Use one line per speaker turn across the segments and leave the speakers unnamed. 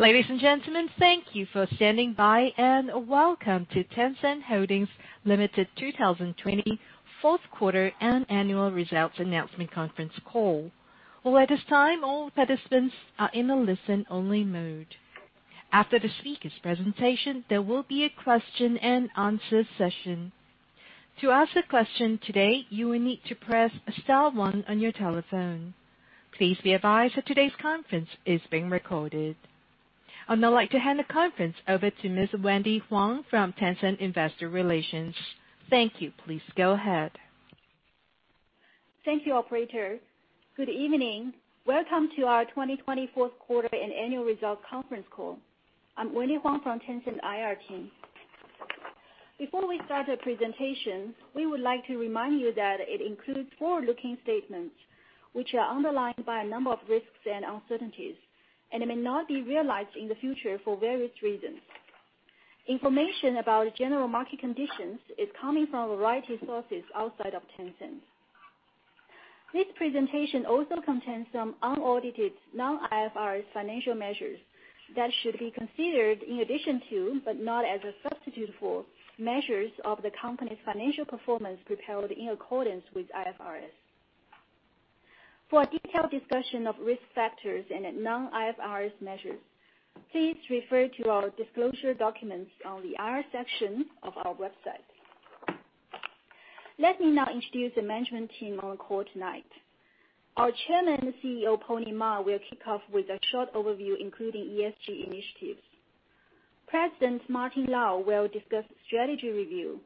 Ladies and gentlemen, thank you for standing by, and welcome to Tencent Holdings Limited 2020 fourth quarter and annual results announcement conference call. Thank you. Please go ahead.
Thank you, operator. Good evening. Welcome to our 2020 fourth quarter and annual results conference call. I'm Wendy Huang from Tencent IR team. Before we start the presentation, we would like to remind you that it includes forward-looking statements, which are underlined by a number of risks and uncertainties, and it may not be realized in the future for various reasons. Information about general market conditions is coming from a variety of sources outside of Tencent. This presentation also contains some unaudited non-IFRS financial measures that should be considered in addition to, but not as a substitute for, measures of the company's financial performance prepared in accordance with IFRS. For a detailed discussion of risk factors and non-IFRS measures, please refer to our disclosure documents on the IR section of our website. Let me now introduce the management team on the call tonight. Our Chairman and CEO, Pony Ma, will kick off with a short overview, including ESG initiatives. President Martin Lau will discuss strategy review.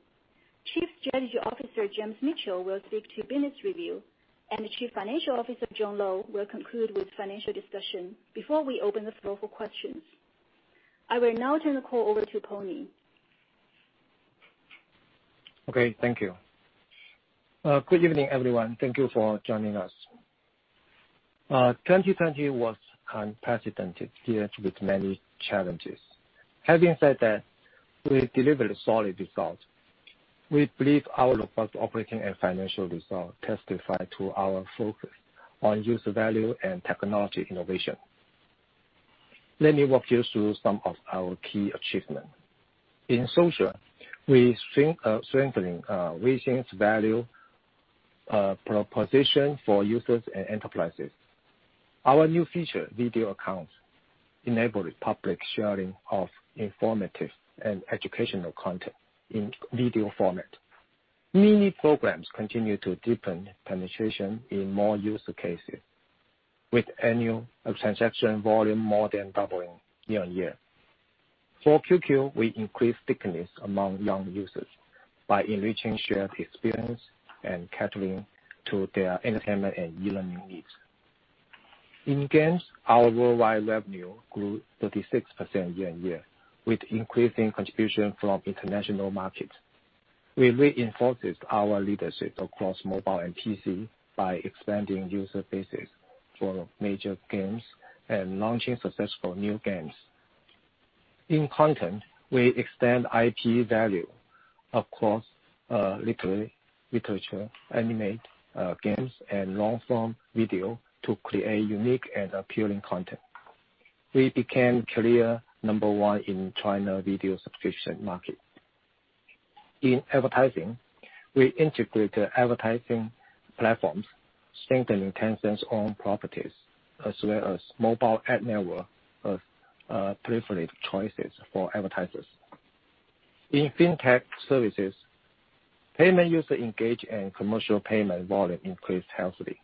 Chief Strategy Officer James Mitchell will speak to business review. The Chief Financial Officer, John Lo, will conclude with financial discussion before we open the floor for questions. I will now turn the call over to Pony.
Okay. Thank you. Good evening, everyone. Thank you for joining us. 2020 was unprecedented year with many challenges. Having said that, we delivered a solid result. We believe our robust operating and financial result testify to our focus on user value and technology innovation. Let me walk you through some of our key achievements. In social, we strengthening Weixin's value proposition for users and enterprises. Our new feature, Video Accounts, enabled public sharing of informative and educational content in video format. Mini Programs continue to deepen penetration in more use cases with annual transaction volume more than doubling year-on-year. For QQ, we increased stickiness among young users by enriching shared experience and catering to their entertainment and e-learning needs. In games, our worldwide revenue grew 36% year-on-year, with increasing contribution from international markets. We reinforced our leadership across mobile and PC by expanding user bases for major games and launching successful new games. In content, we extend IP value across literature, anime, games, and long-form video to create unique and appealing content. We became clear number one in China video subscription market. In advertising, we integrated advertising platforms, strengthening Tencent's own properties, as well as mobile ad network of privileged choices for advertisers. In FinTech services, payment user engagement and commercial payment volume increased healthily.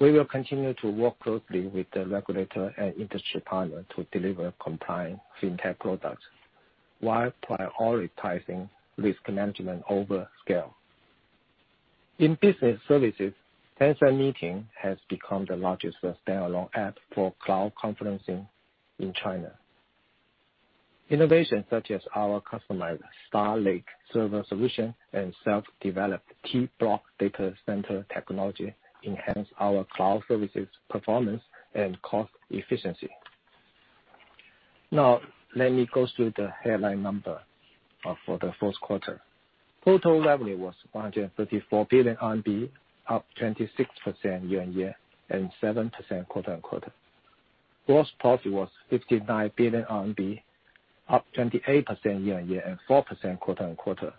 We will continue to work closely with the regulator and industry partner to deliver compliant FinTech products while prioritizing risk management over scale. In business services, Tencent Meeting has become the largest standalone app for cloud conferencing in China. Innovation such as our customized StarLake server solution and self-developed T-block data center technology enhance our cloud services performance and cost efficiency. Let me go through the headline number for the fourth quarter. Total revenue was 134 billion RMB, up 26% year-on-year and 7% quarter-on-quarter. Gross profit was 59 billion RMB, up 28% year-on-year and 4% quarter-on-quarter.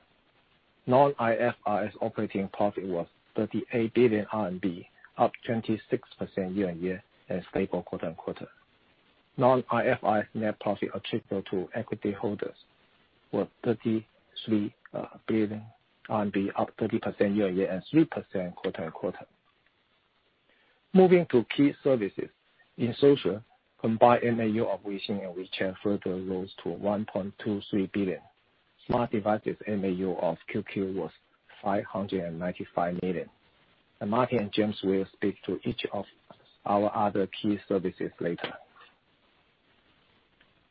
Non-IFRS operating profit was 38 billion RMB, up 26% year-on-year and stable quarter-on-quarter. Non-IFRS net profit attributable to equity holders was 33 billion RMB, up 30% year-on-year and 3% quarter-on-quarter. Moving to key services. In social, combined MAU of Weixin and WeChat further rose to 1.23 billion. Smart devices MAU of QQ was 595 million. Martin and James will speak to each of our other key services later.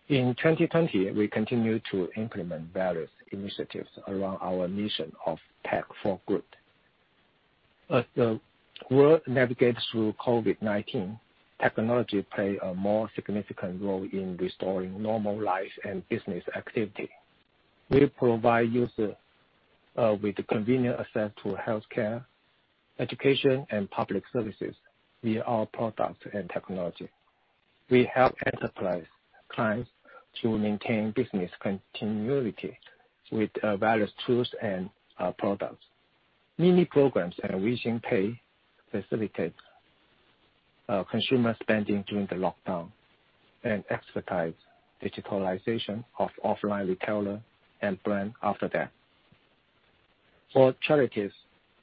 In 2020, we continued to implement various initiatives around our mission of tech for good. As the world navigates through COVID-19, technology plays a more significant role in restoring normal life and business activity. We provide users with convenient access to healthcare education and public services via our products and technology. We help enterprise clients to maintain business continuity with various tools and products. Mini Programs and Weixin Pay facilitate consumer spending during the lockdown and accelerate digitalization of offline retailer and brand after that. For charities,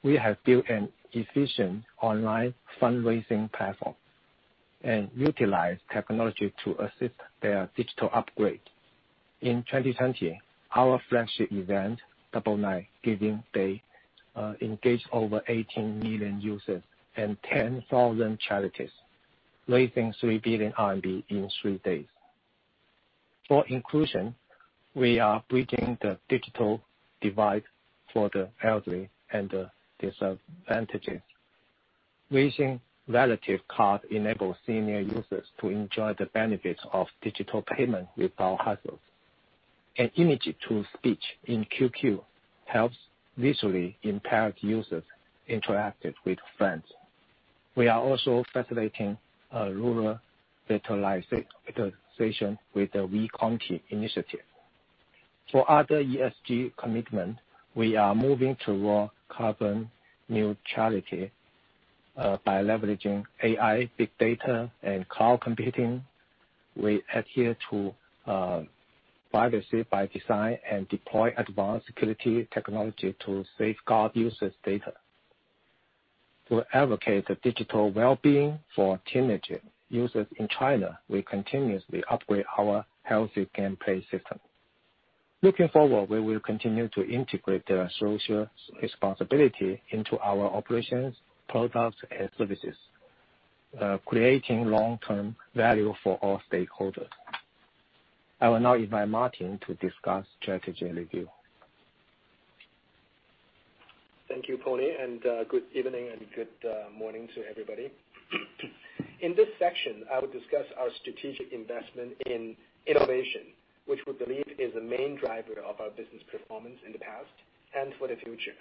we have built an efficient online fundraising platform and utilize technology to assist their digital upgrade. In 2020, our flagship event, 99 Giving Day, engaged over 18 million users and 10,000 charities, raising 3 billion RMB in three days. For inclusion, we are bridging the digital divide for the elderly and the disadvantaged. Weixin Relatives Card enables senior users to enjoy the benefits of digital payment without hassles. An image-to-speech in QQ helps visually impaired users interact with friends. We are also facilitating rural digitalization with the WeCounty initiative. For other ESG commitment, we are moving toward carbon neutrality, by leveraging AI, big data, and cloud computing. We adhere to privacy by design and deploy advanced security technology to safeguard users' data. To advocate the digital wellbeing for teenage users in China, we continuously upgrade our healthy gameplay system. Looking forward, we will continue to integrate the social responsibility into our operations, products, and services, creating long-term value for all stakeholders. I will now invite Martin to discuss strategy review.
Thank you, Pony. Good evening and good morning to everybody. In this section, I will discuss our strategic investment in innovation, which we believe is the main driver of our business performance in the past and for the future.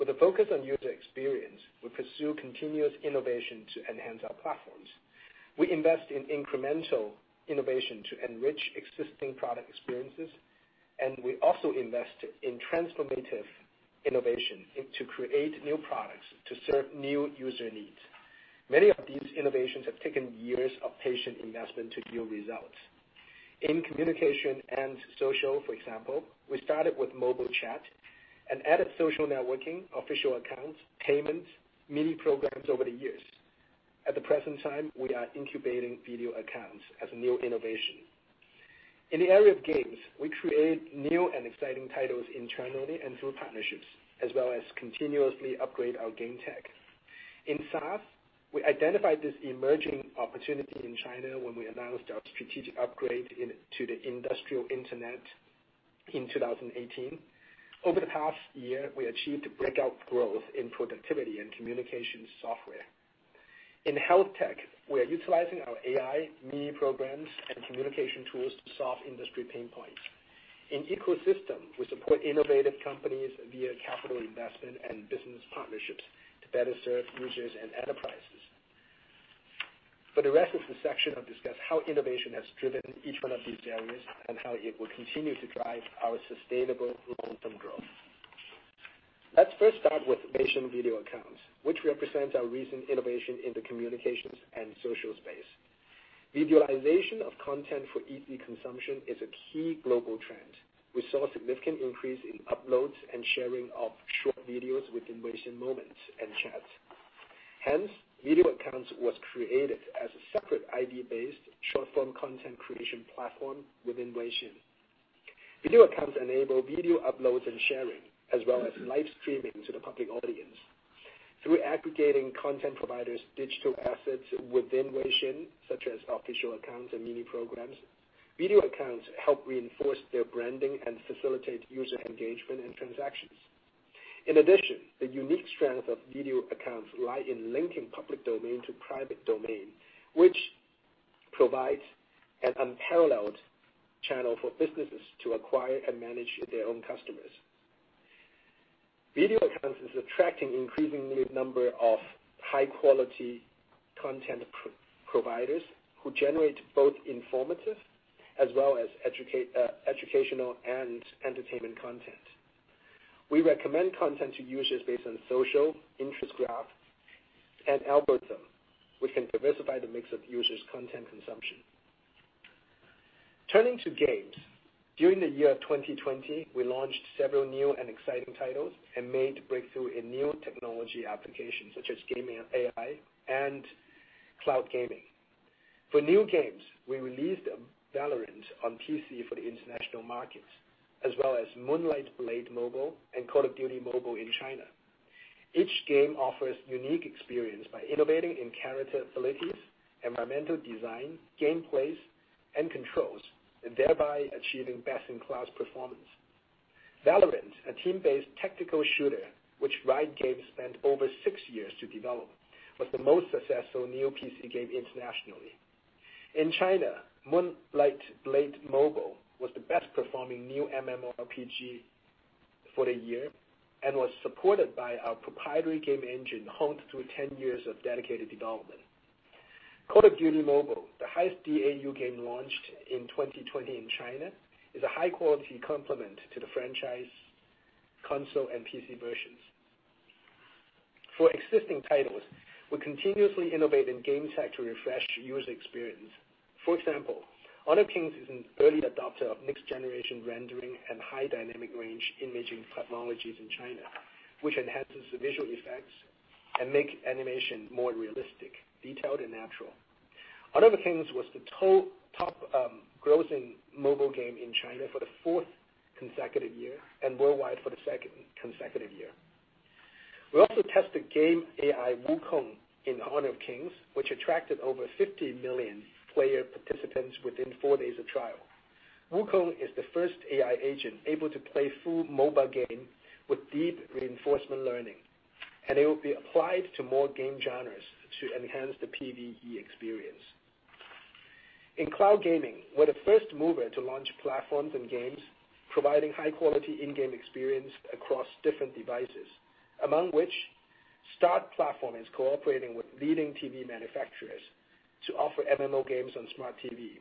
With a focus on user experience, we pursue continuous innovation to enhance our platforms. We invest in incremental innovation to enrich existing product experiences, and we also invest in transformative innovation to create new products to serve new user needs. Many of these innovations have taken years of patient investment to yield results. In communication and social, for example, we started with mobile chat and added social networking, official accounts, payments, Mini Programs over the years. At the present time, we are incubating Video Accounts as a new innovation. In the area of games, we create new and exciting titles internally and through partnerships, as well as continuously upgrade our game tech. In SaaS, we identified this emerging opportunity in China when we announced our strategic upgrade to the industrial internet in 2018. Over the past year, we achieved breakout growth in productivity and communication software. In health tech, we are utilizing our AI, Mini Programs, and communication tools to solve industry pain points. In ecosystem, we support innovative companies via capital investment and business partnerships to better serve users and enterprises. For the rest of this section, I'll discuss how innovation has driven each one of these areas and how it will continue to drive our sustainable long-term growth. Let's first start with Weixin Video Accounts, which represents our recent innovation in the communications and social space. Videoization of content for easy consumption is a key global trend. We saw a significant increase in uploads and sharing of short videos within Weixin Moments and chats. Video Accounts was created as a separate ID-based, short-form content creation platform within Weixin. Video Accounts enable video uploads and sharing, as well as live streaming to the public audience. Through aggregating content providers' digital assets within Weixin, such as official accounts and Mini Programs, Video Accounts help reinforce their branding and facilitate user engagement and transactions. The unique strength of Video Accounts lie in linking public domain to private domain, which provides an unparalleled channel for businesses to acquire and manage their own customers. Video Accounts is attracting increasingly number of high-quality content providers who generate both informative as well as educational and entertainment content. We recommend content to users based on social interest graph and algorithm, which can diversify the mix of users' content consumption. Turning to games. During the year 2020, we launched several new and exciting titles and made breakthrough in new technology applications such as gaming AI and cloud gaming. For new games, we released VALORANT on PC for the international markets, as well as Moonlight Blade Mobile and Call of Duty: Mobile in China. Each game offers unique experience by innovating in character abilities, environmental design, gameplays, and controls, and thereby achieving best-in-class performance. VALORANT, a team-based tactical shooter which Riot Games spent over six years to develop, was the most successful new PC game internationally. In China, Moonlight Blade Mobile was the best performing new MMORPG for the year and was supported by our proprietary game engine, honed through 10 years of dedicated development. Call of Duty Mobile, the highest DAU game launched in 2020 in China, is a high-quality complement to the franchise console and PC versions. For existing titles, we continuously innovate in game tech to refresh user experience. For example, Honor of Kings is an early adopter of next-generation rendering and high dynamic range imaging technologies in China, which enhances the visual effects and make animation more realistic, detailed and natural. Honor of Kings was the top grossing mobile game in China for the fourth consecutive year and worldwide for the second consecutive year. We also tested game AI, Wukong, in Honor of Kings, which attracted over 50 million player participants within four days of trial. Wukong is the first AI agent able to play through mobile game with deep reinforcement learning, it will be applied to more game genres to enhance the PvE experience. In cloud gaming, we're the first mover to launch platforms and games providing high-quality in-game experience across different devices, among which START platform is cooperating with leading TV manufacturers to offer MMO games on smart TV.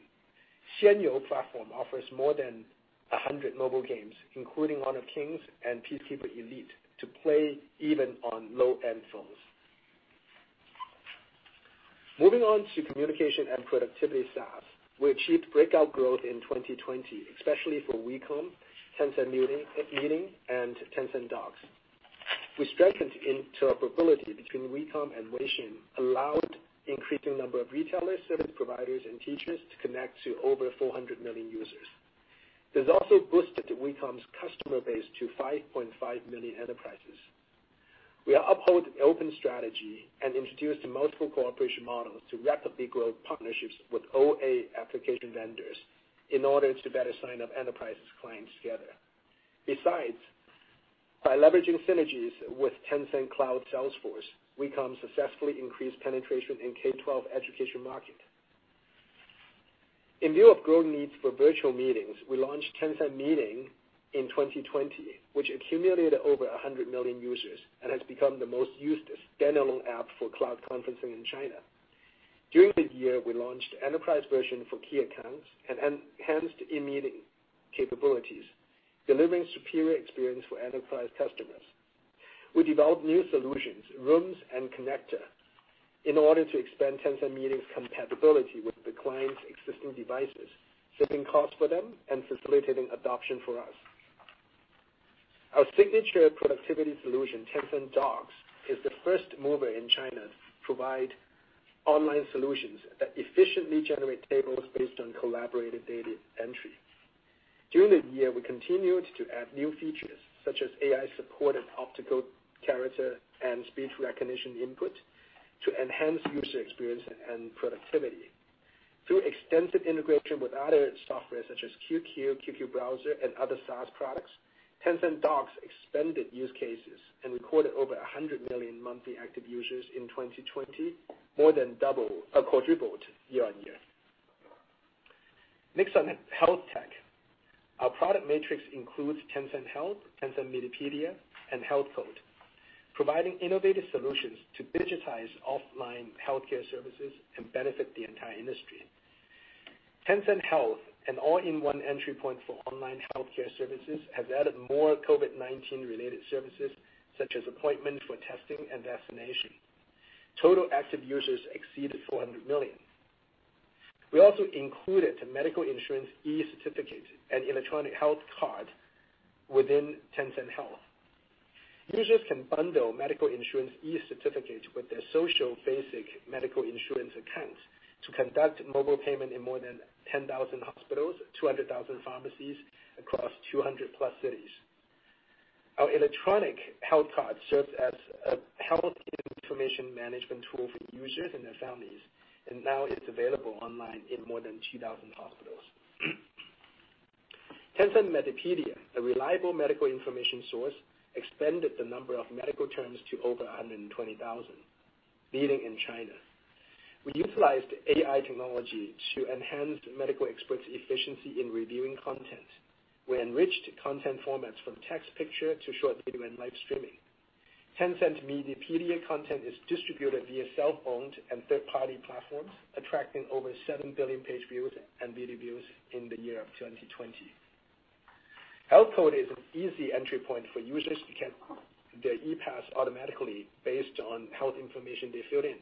XianYou platform offers more than 100 mobile games, including Honor of Kings and Peacekeeper Elite, to play even on low-end phones. Moving on to communication and productivity SaaS. We achieved breakout growth in 2020, especially for WeCom, Tencent Meeting, and Tencent Docs. We strengthened interoperability between WeCom and Weixin, allowed increasing number of retailers, service providers, and teachers to connect to over 400 million users. This also boosted WeCom's customer base to 5.5 million enterprises. We uphold open strategy and introduced multiple cooperation models to rapidly grow partnerships with OA application vendors in order to better sign up enterprises clients together. By leveraging synergies with Tencent Cloud sales force, WeCom successfully increased penetration in K-12 education market. In view of growing needs for virtual meetings, we launched Tencent Meeting in 2020, which accumulated over 100 million users and has become the most used standalone app for cloud conferencing in China. During the year, we launched enterprise version for key accounts and enhanced in-meeting capabilities, delivering superior experience for enterprise customers. We developed new solutions, Rooms and Connector, in order to expand Tencent Meetings compatibility with the client's existing devices, saving costs for them, and facilitating adoption for us. Our signature productivity solution, Tencent Docs, is the first mover in China to provide online solutions that efficiently generate tables based on collaborated data entry. During the year, we continued to add new features, such as AI-supported optical character and speech recognition input to enhance user experience and productivity. Through extensive integration with other software such as QQ, QQ Browser, and other SaaS products, Tencent Docs expanded use cases and recorded over 100 million monthly active users in 2020, more than quadrupled year-on-year. Next on health tech. Our product matrix includes Tencent Health, Tencent Medipedia, and Health Code, providing innovative solutions to digitize offline healthcare services and benefit the entire industry. Tencent Health, an all-in-one entry point for online healthcare services, has added more COVID-19 related services, such as appointment for testing and vaccination. Total active users exceeded 400 million. We also included medical insurance e-certificate and electronic health card within Tencent Health. Users can bundle medical insurance e-certificate with their social basic medical insurance accounts to conduct mobile payment in more than 10,000 hospitals, 200,000 pharmacies across 200+ cities. Our electronic health card serves as a health information management tool for users and their families, and now it's available online in more than 2,000 hospitals. Tencent Medipedia, a reliable medical information source, expanded the number of medical terms to over 120,000, leading in China. We utilized AI technology to enhance medical experts' efficiency in reviewing content. We enriched content formats from text picture to short video and live streaming. Tencent Medipedia content is distributed via self-owned and third-party platforms, attracting over 7 billion page views and video views in the year of 2020. Health Code is an easy entry point for users to get their e-pass automatically based on health information they filled in.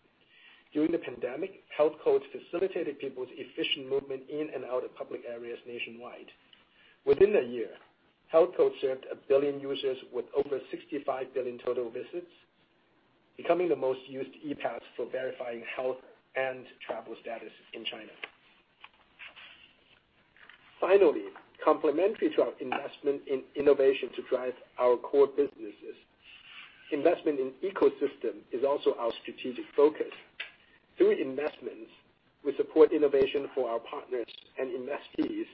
During the pandemic, Health Code facilitated people's efficient movement in and out of public areas nationwide. Within a year, Health Code served 1 billion users with over 65 billion total visits, becoming the most used e-pass for verifying health and travel status in China. Finally, complementary to our investment in innovation to drive our core businesses, investment in ecosystem is also our strategic focus. Through investments, we support innovation for our partners and investees,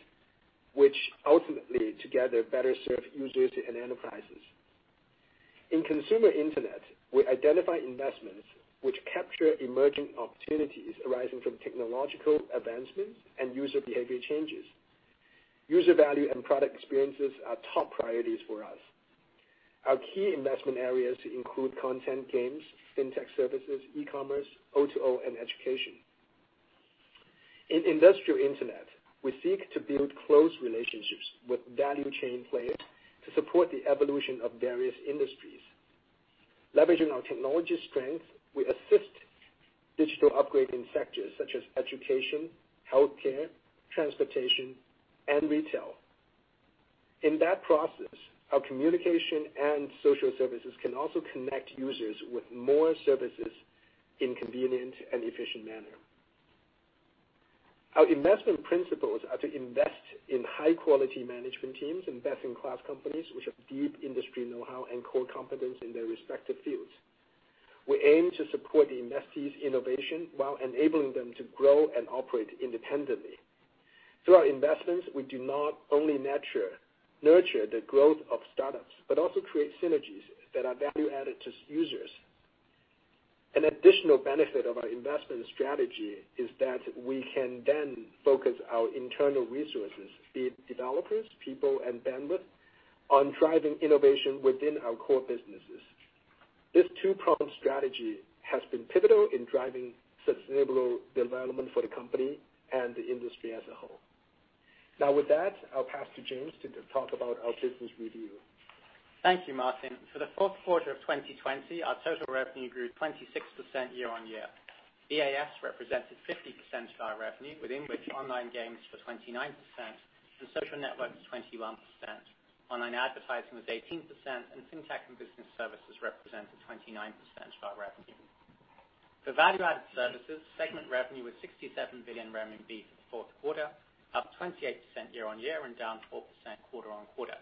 which ultimately together better serve users and enterprises. In consumer internet, we identify investments which capture emerging opportunities arising from technological advancements and user behavior changes. User value and product experiences are top priorities for us. Our key investment areas include content games, FinTech services, e-commerce, O2O, and education. In industrial internet, we seek to build close relationships with value chain players to support the evolution of various industries. Leveraging our technology strength, we assist digital upgrade in sectors such as education, healthcare, transportation, and retail. In that process, our communication and social services can also connect users with more services in convenient and efficient manner. Our investment principles are to invest in high-quality management teams, invest in best-in-class companies which have deep industry know-how and core competence in their respective fields. We aim to support the investees' innovation while enabling them to grow and operate independently. Through our investments, we do not only nurture the growth of startups, but also create synergies that are value added to users. An additional benefit of our investment strategy is that we can then focus our internal resources, be it developers, people, and bandwidth, on driving innovation within our core businesses. This two-pronged strategy has been pivotal in driving sustainable development for the company and the industry as a whole. Now with that, I'll pass to James to talk about our business review.
Thank you, Martin. For the fourth quarter of 2020, our total revenue grew 26% year-on-year. VAS represented 50% of our revenue, within which online games were 29% and social networks 21%. Online advertising was 18%, and FinTech and business services represented 29% of our revenue. For value-added services, segment revenue was 67 billion renminbi for the fourth quarter, up 28% year-on-year and down 4% quarter-on-quarter.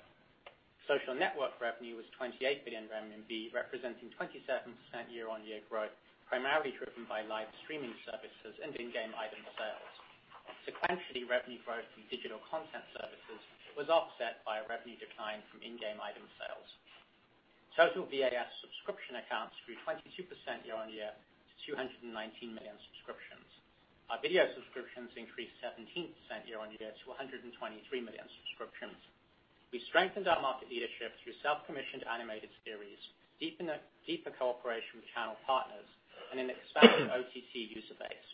Social network revenue was 28 billion renminbi, representing 27% year-on-year growth, primarily driven by live streaming services and in-game item sales. Sequentially, revenue growth from digital content services was offset by a revenue decline from in-game item sales. Total VAS subscription accounts grew 22% year-on-year to 219 million subscriptions. Our video subscriptions increased 17% year-on-year to 123 million subscriptions. We strengthened our market leadership through self-commissioned animated series, deeper cooperation with channel partners, and an expanded OTT user base.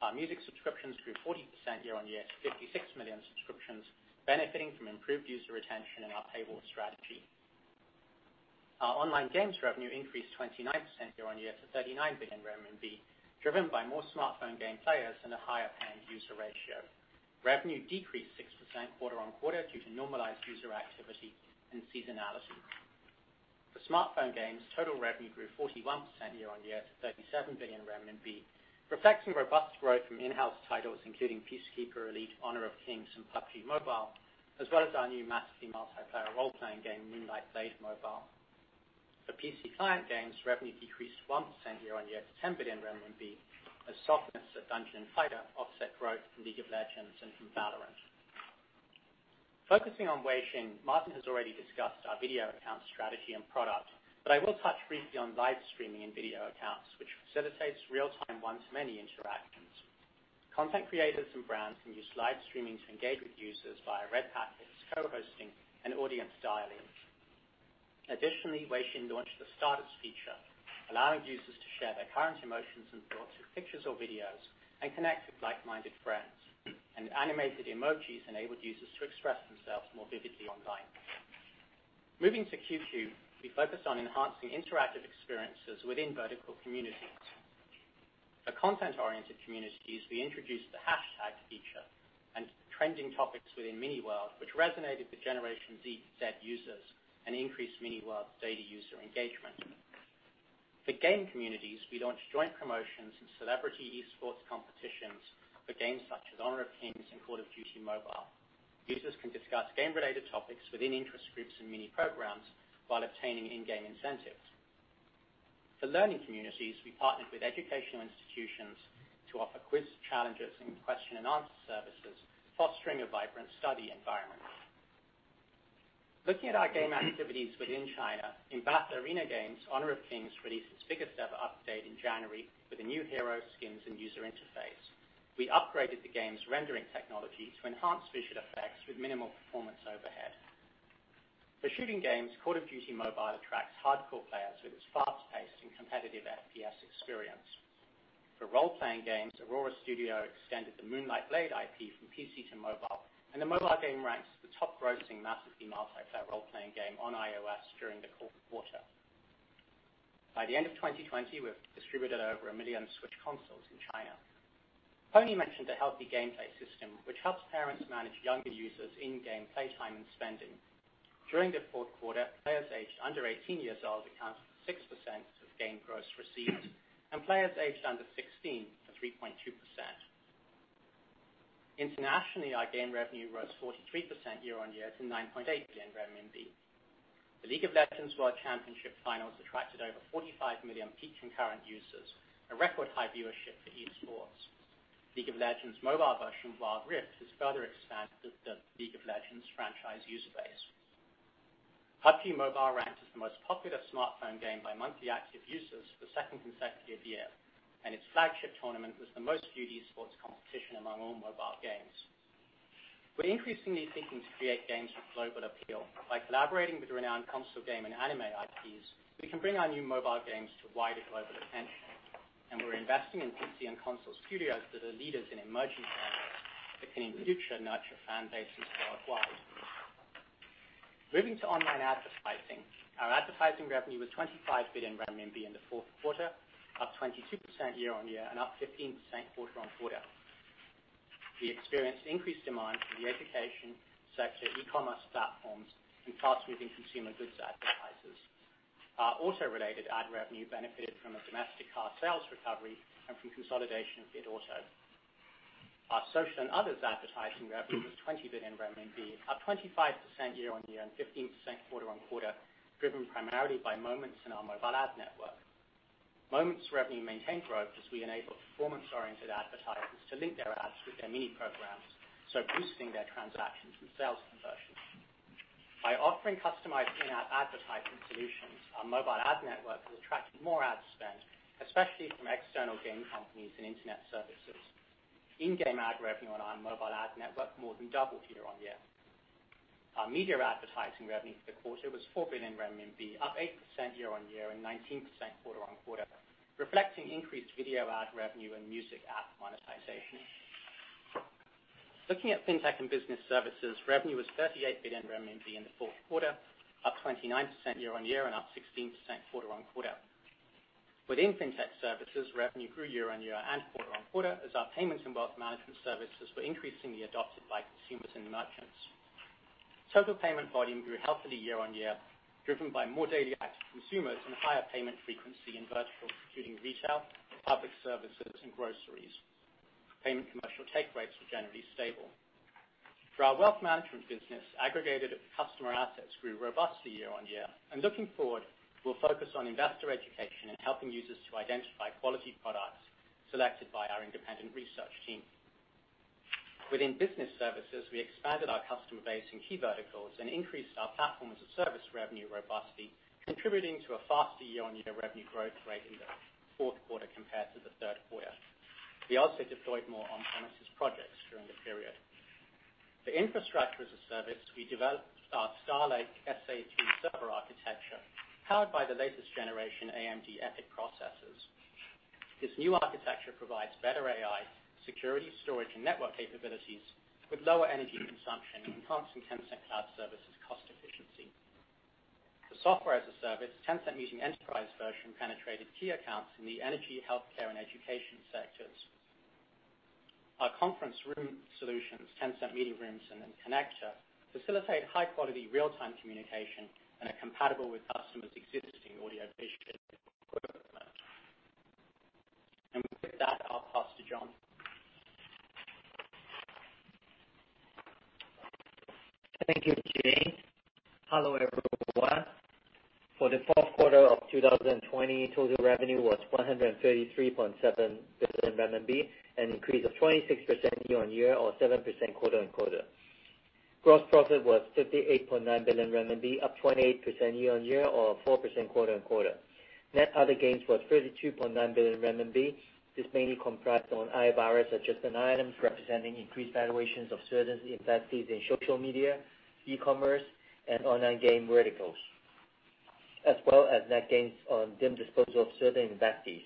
Our music subscriptions grew 40% year-on-year to 56 million subscriptions, benefiting from improved user retention in our paywall strategy. Our online games revenue increased 29% year-on-year to 39 billion RMB, driven by more smartphone game players and a higher paying user ratio. Revenue decreased 6% quarter-on-quarter due to normalized user activity and seasonality. For smartphone games, total revenue grew 41% year-on-year to 37 billion RMB, reflecting robust growth from in-house titles including Peacekeeper Elite, Honor of Kings, and PUBG MOBILE, as well as our new massively multiplayer role-playing game, Moonlight Blade Mobile. For PC client games, revenue decreased 1% year-on-year to 10 billion renminbi as softness of Dungeon & Fighter offset growth from League of Legends and from VALORANT. Focusing on Weixin, Martin has already discussed our Video Accounts strategy and product, I will touch briefly on live streaming and Video Accounts, which facilitates real-time one-to-many interactions. Content creators and brands can use live streaming to engage with users via red carpets, co-hosting, and audience dialing. Additionally, Weixin launched the Status feature, allowing users to share their current emotions and thoughts with pictures or videos and connect with like-minded friends. Animated emojis enabled users to express themselves more vividly online. Moving to QQ, we focused on enhancing interactive experiences within vertical communities. For content-oriented communities, we introduced the hashtag feature and trending topics within Mini World, which resonated with Generation Z users and increased Mini World's daily user engagement. For game communities, we launched joint promotions and celebrity esports competitions for games such as Honor of Kings and Call of Duty: Mobile. Users can discuss game-related topics within interest groups and Mini Programs while obtaining in-game incentives. For learning communities, we partnered with educational institutions to offer quiz challenges and question-and-answer services, fostering a vibrant study environment. Looking at our game activities within China, in battle arena games, Honor of Kings released its biggest ever update in January with the new hero skins and user interface. We upgraded the game's rendering technology to enhance visual effects with minimal performance overhead. For shooting games, Call of Duty: Mobile attracts hardcore players with its fast-paced and competitive FPS experience. For role-playing games, Aurora Studios extended the Moonlight Blade IP from PC to mobile, and the mobile game ranks the top grossing massively multiplayer role-playing game on iOS during the quarter. By the end of 2020, we have distributed over 1 million Switch consoles in China. Pony mentioned a healthy gameplay system which helps parents manage younger users' in-game playtime and spending. During the fourth quarter, players aged under 18 years old accounted for 6% of game gross receipts, and players aged under 16 for 3.2%. Internationally, our game revenue rose 43% year-on-year to 9.8 billion RMB. The League of Legends World Championship Finals attracted over 45 million peak concurrent users, a record high viewership for esports. League of Legends mobile version, Wild Rift, has further expanded the League of Legends franchise user base. PUBG MOBILE ranked as the most popular smartphone game by monthly active users for a second consecutive year, and its flagship tournament was the most viewed esports competition among all mobile games. We're increasingly seeking to create games with global appeal. By collaborating with renowned console game and anime IPs, we can bring our new mobile games to wider global attention. We're investing in PC and console studios that are leaders in emerging markets that can, in future, nurture fan bases worldwide. Moving to online advertising. Our advertising revenue was 25 billion RMB in the fourth quarter, up 22% year-on-year and up 15% quarter-on-quarter. We experienced increased demand from the education sector, e-commerce platforms, and fast-moving consumer goods advertisers. Our auto-related ad revenue benefited from a domestic car sales recovery and from consolidation of Bitauto. Our social and others advertising revenue was 20 billion renminbi, up 25% year-on-year and 15% quarter-on-quarter, driven primarily by Moments and our mobile ad network. Moments revenue maintained growth as we enabled performance-oriented advertisers to link their ads with their Mini Programs, so boosting their transactions and sales conversions. By offering customized in-app advertising solutions, our mobile ad network has attracted more ad spend, especially from external game companies and internet services. In-game ad revenue on our mobile ad network more than doubled year-on-year. Our media advertising revenue for the quarter was 4 billion renminbi, up 8% year-on-year and 19% quarter-on-quarter, reflecting increased video ad revenue and music app monetization. Looking at FinTech and Business services, revenue was 38 billion RMB in the fourth quarter, up 29% year-on-year and up 16% quarter-on-quarter. Within FinTech services, revenue grew year-on-year and quarter-on-quarter as our payments and wealth management services were increasingly adopted by consumers and merchants. Total payment volume grew healthily year-on-year, driven by more daily active consumers and higher payment frequency in verticals including retail, public services, and groceries. Payment commercial take rates were generally stable. For our wealth management business, aggregated customer assets grew robustly year-on-year. Looking forward, we'll focus on investor education and helping users to identify quality products selected by our independent research team. Within business services, we expanded our customer base in key verticals and increased our platform-as-a-service revenue robustly, contributing to a faster year-on-year revenue growth rate in the fourth quarter compared to the third quarter. We also deployed more on-premises projects during the period. For infrastructure as a service, we developed our StarLake SA2 server architecture, powered by the latest generation AMD EPYC processors. This new architecture provides better AI, security, storage, and network capabilities with lower energy consumption, enhancing Tencent Cloud services' cost efficiency. For software as a service, Tencent Meeting enterprise version penetrated key accounts in the energy, healthcare, and education sectors. Our conference room solutions, Tencent Meeting Rooms and Connector, facilitate high-quality real-time communication and are compatible with customers' existing audio-visual equipment. With that, I'll pass to John.
Thank you, James. Hello, everyone. For the fourth quarter of 2020, total revenue was 133.7 billion RMB, an increase of 26% year-on-year or 7% quarter-on-quarter. Gross profit was 58.9 billion renminbi, up 28% year-on-year or 4% quarter-on-quarter. Net other gains was 32.9 billion renminbi. This mainly comprised of IFRS adjustment items representing increased valuations of certain investees in social media, e-commerce, and online game verticals, as well as net gains on the disposal of certain investees.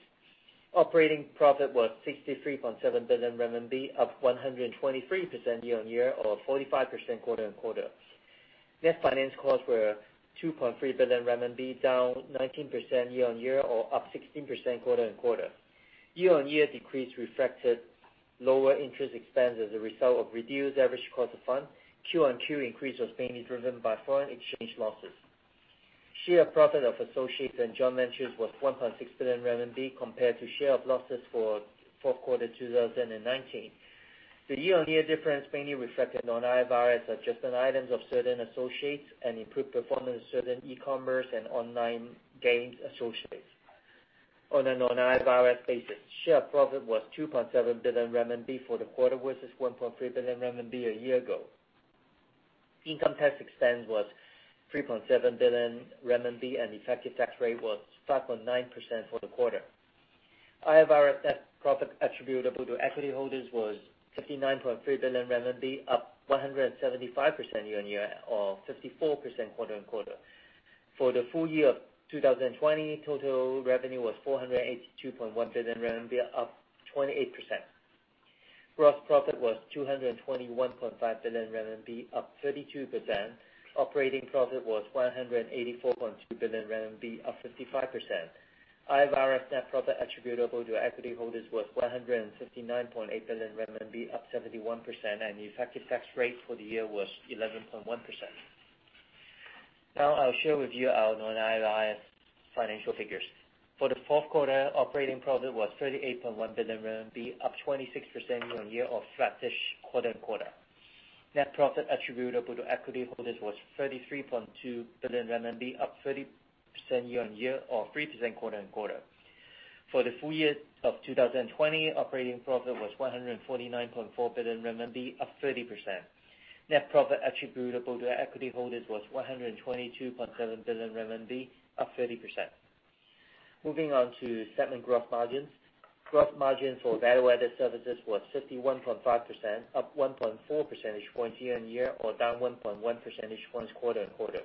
Operating profit was 63.7 billion RMB, up 123% year-on-year or 45% quarter-on-quarter. Net finance costs were 2.3 billion RMB, down 19% year-on-year or up 16% quarter-on-quarter. Year-on-year decrease reflected lower interest expense as a result of reduced average cost of funds. QoQ increase was mainly driven by foreign exchange losses. Share of profit of associates and joint ventures was 1.6 billion RMB compared to share of losses for fourth quarter 2019. The year-on-year difference mainly reflected non-IFRS adjustment items of certain associates and improved performance of certain e-commerce and online games associates. On a non-IFRS basis, share profit was 2.7 billion RMB for the quarter versus 1.3 billion RMB a year ago. Income tax expense was 3.7 billion RMB, and effective tax rate was 5.9% for the quarter. IFRS net profit attributable to equity holders was 59.3 billion renminbi, up 175% year-on-year or 54% quarter-on-quarter. For the full year of 2020, total revenue was 482.1 billion RMB, up 28%. Gross profit was 221.5 billion RMB, up 32%. Operating profit was 184.2 billion RMB, up 55%. IFRS net profit attributable to equity holders was 159.8 billion RMB, up 71%, and the effective tax rate for the year was 11.1%. Now I'll share with you our non-IFRS financial figures. For the fourth quarter, operating profit was 38.1 billion RMB, up 26% year-on-year or flattish quarter-on-quarter. Net profit attributable to equity holders was 33.2 billion RMB, up 30% year-on-year or 3% quarter-on-quarter. For the full year of 2020, operating profit was 149.4 billion RMB, up 30%. Net profit attributable to equity holders was 122.7 billion RMB, up 30%. Moving on to segment gross margins. Gross margin for value-added services was 51.5%, up 1.4 percentage points year-on-year or down 1.1 percentage points quarter-on-quarter.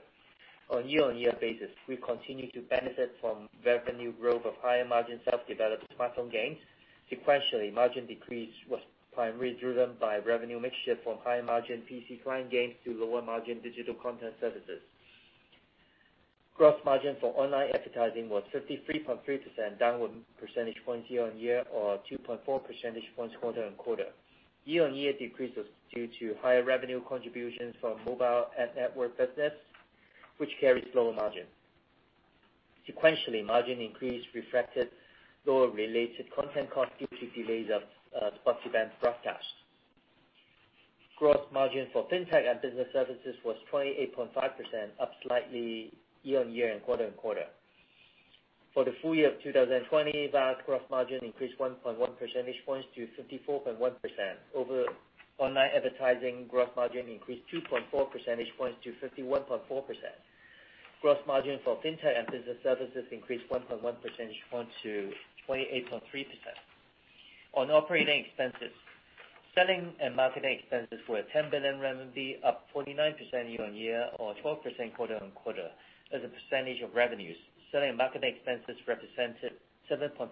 On a year-on-year basis, we continue to benefit from revenue growth of higher margin self-developed platform games. Sequentially, margin decrease was primarily driven by revenue mixture from high margin PC client games to lower margin digital content services. Gross margin for online advertising was 53.3%, down one percentage points year-on-year or 2.4 percentage points quarter-on-quarter. Year-on-year decrease was due to higher revenue contributions from mobile ad network business, which carries lower margin. Sequentially, margin increase reflected lower related content cost due to delays of sports event broadcast. Gross margin for FinTech and Business services was 28.5%, up slightly year-on-year and quarter-on-quarter. For the full year of 2020, VAS gross margin increased 1.1 percentage points to 54.1%. Online advertising gross margin increased 2.4 percentage points to 51.4%. Gross margin for FinTech and business services increased 1.1 percentage points to 28.3%. On operating expenses, selling and marketing expenses were 10 billion RMB, up 49% year-on-year or 12% quarter-on-quarter. As a percentage of revenues, selling and marketing expenses represented 7.5%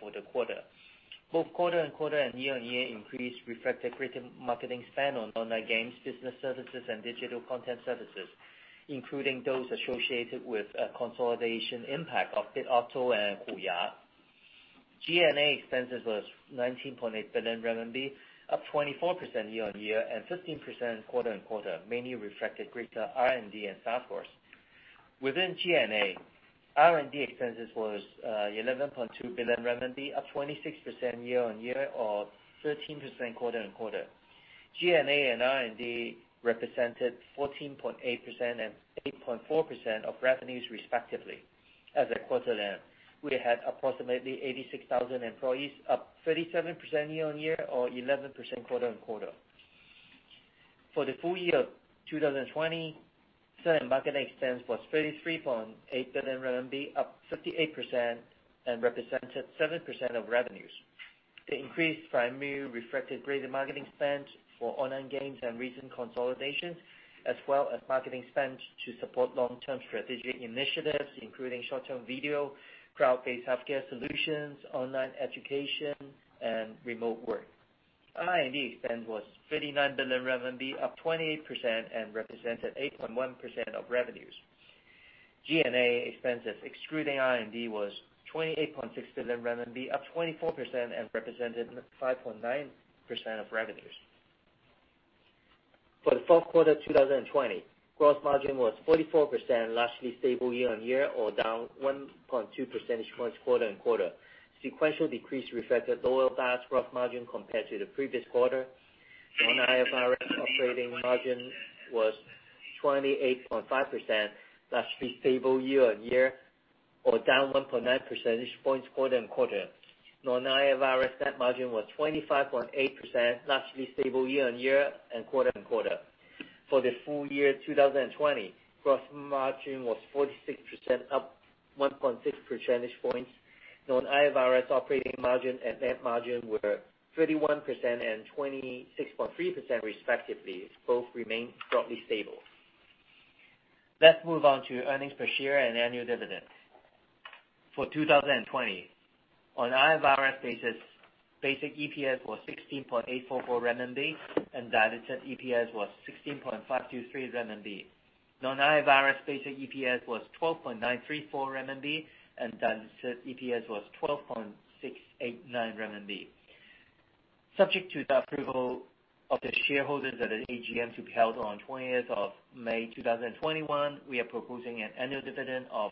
for the quarter. Both quarter on quarter and year on year increase reflected greater marketing spend on online games, business services, and digital content services, including those associated with a consolidation impact of Bitauto and Huya. G&A expenses was 19.8 billion RMB, up 24% year on year and 15% quarter on quarter, mainly reflected greater R&D and Salesforce. Within G&A, R&D expenses was 11.2 billion RMB, up 26% year on year or 13% quarter on quarter. G&A and R&D represented 14.8% and 8.4% of revenues respectively. As at quarter end, we had approximately 86,000 employees, up 37% year on year or 11% quarter on quarter. For the full year of 2020, selling and marketing expense was 33.8 billion RMB, up 58% and represented 7% of revenues. The increase primarily reflected greater marketing spend for online games and recent consolidations, as well as marketing spend to support long-term strategic initiatives, including short-term video, cloud-based healthcare solutions, online education, and remote work. R&D spend was 39 billion RMB, up 28% and represented 8.1% of revenues. G&A expenses, excluding R&D, was 28.6 billion RMB, up 24% and represented 5.9% of revenues. For the fourth quarter 2020, gross margin was 44%, largely stable year-over-year or down 1.2 percentage points quarter-over-quarter. Sequential decrease reflected lower VAS gross margin compared to the previous quarter. Non-IFRS operating margin was 28.5%, largely stable year-over-year or down 1.9 percentage points quarter-over-quarter. Non-IFRS net margin was 25.8%, largely stable year-over-year and quarter-over-quarter. For the full year 2020, gross margin was 46%, up 1.6 percentage points. Non-IFRS operating margin and net margin were 31% and 26.3% respectively. Both remained broadly stable. Let's move on to earnings per share and annual dividend. For 2020, on IFRS basis, basic EPS was 16.844 RMB, and diluted EPS was 16.523 RMB. Non-IFRS basic EPS was 12.934 RMB, and diluted EPS was 12.689 RMB. Subject to the approval of the shareholders at an AGM to be held on 20th of May 2021, we are proposing an annual dividend of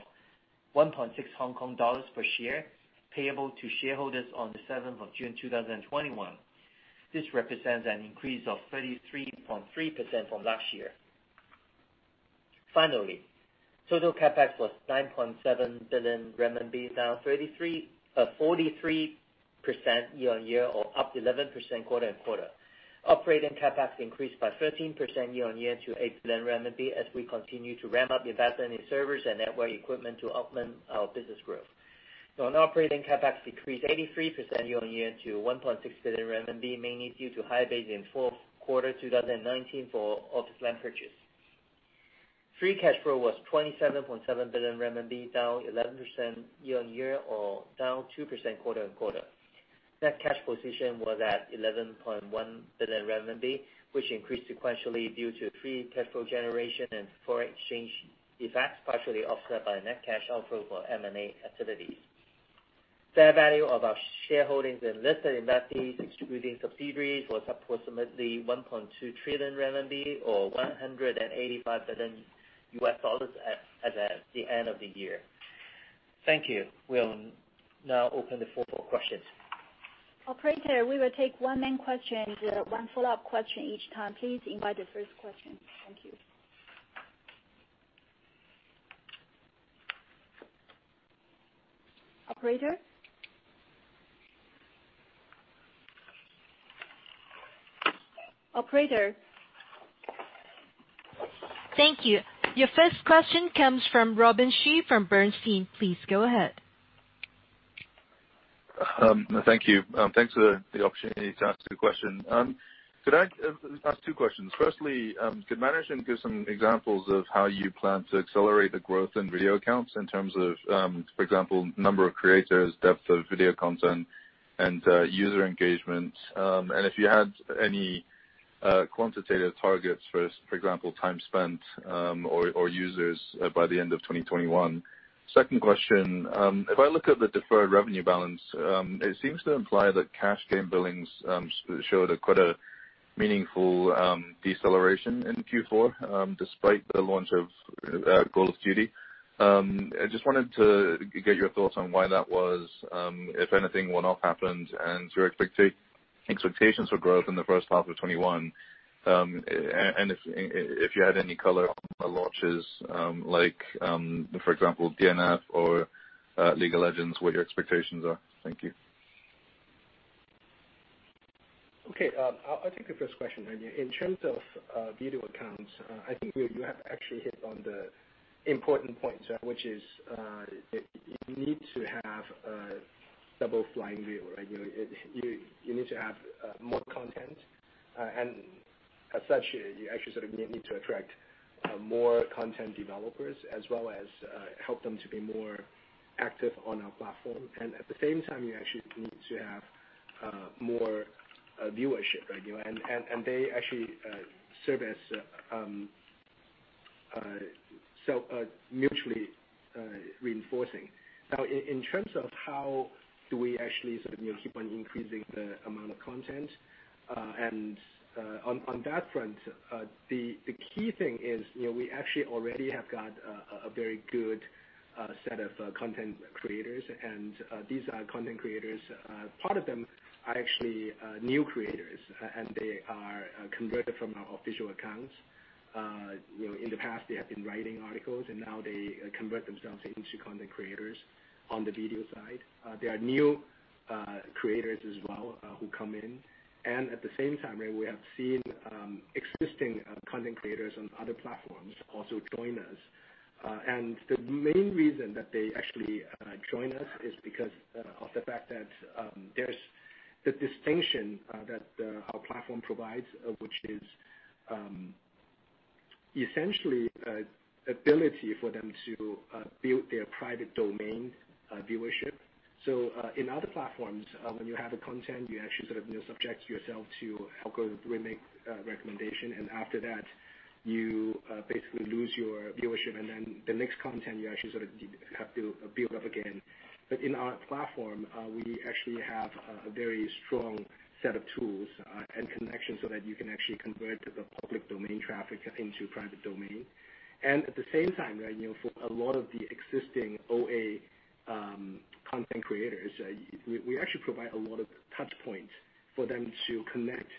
1.6 Hong Kong dollars per share, payable to shareholders on the 7th of June 2021. This represents an increase of 33.3% from last year. Finally, total CapEx was 9.7 billion RMB, down 43% year-on-year or up 11% quarter-on-quarter. Operating CapEx increased by 13% year-on-year to 8 billion RMB as we continue to ramp up investment in servers and network equipment to augment our business growth. Non-operating CapEx decreased 83% year-on-year to 1.6 billion RMB, mainly due to high base in fourth quarter 2019 for office land purchase. Free cash flow was 27.7 billion RMB, down 11% year-on-year or down 2% quarter-on-quarter. Net cash position was at 11.1 billion RMB, which increased sequentially due to free cash flow generation and foreign exchange effects, partially offset by net cash outflow for M&A activities. Fair value of our shareholdings in listed investees, excluding subsidiaries, was approximately 1.2 trillion RMB or $185 billion at the end of the year.
Thank you. We'll now open the floor for questions.
Operator, we will take one main question, one follow-up question each time. Please invite the first question. Thank you. Operator? Operator?
Thank you. Your first question comes from Robin Zhu from Bernstein. Please go ahead.
Thank you. Thanks for the opportunity to ask the question. Could I ask two questions? Firstly, could management give some examples of how you plan to accelerate the growth in Video Accounts in terms of, for example, number of creators, depth of video content, and user engagement? If you had any quantitative targets, for example, time spent or users by the end of 2021. Second question, if I look at the deferred revenue balance, it seems to imply that cash game billings showed quite a meaningful deceleration in Q4, despite the launch of Call of Duty. I just wanted to get your thoughts on why that was, if anything one-off happened, and your expectations for growth in the first half of 2021, and if you had any color on the launches like, for example, DNF or League of Legends, what your expectations are. Thank you.
Okay. I'll take the first question, Robin. In terms of Video Accounts, I think you have actually hit on the important point, which is you need to have a double flying wheel, right? You need to have more content, and as such, you actually sort of need to attract more content developers as well as help them to be more active on our platform. At the same time, you actually need to have more viewership, right? They actually serve as mutually reinforcing. In terms of how do we actually sort of keep on increasing the amount of content, and on that front, the key thing is we actually already have got a very good set of content creators, and these content creators, part of them are actually new creators, and they are converted from our official accounts. In the past, they have been writing articles, and now they convert themselves into content creators on the video side. There are new creators as well who come in, and at the same time, we have seen existing content creators on other platforms also join us. The main reason that they actually join us is because of the fact that there's the distinction that our platform provides, which is essentially ability for them to build their private domain viewership. In other platforms, when you have the content, you actually sort of subject yourself to algorithmic recommendation. After that, you basically lose your viewership. The next content, you actually sort of have to build up again. In our platform, we actually have a very strong set of tools and connections so that you can actually convert the public domain traffic into private domain. At the same time, for a lot of the existing OA content creators, we actually provide a lot of touch points for them to connect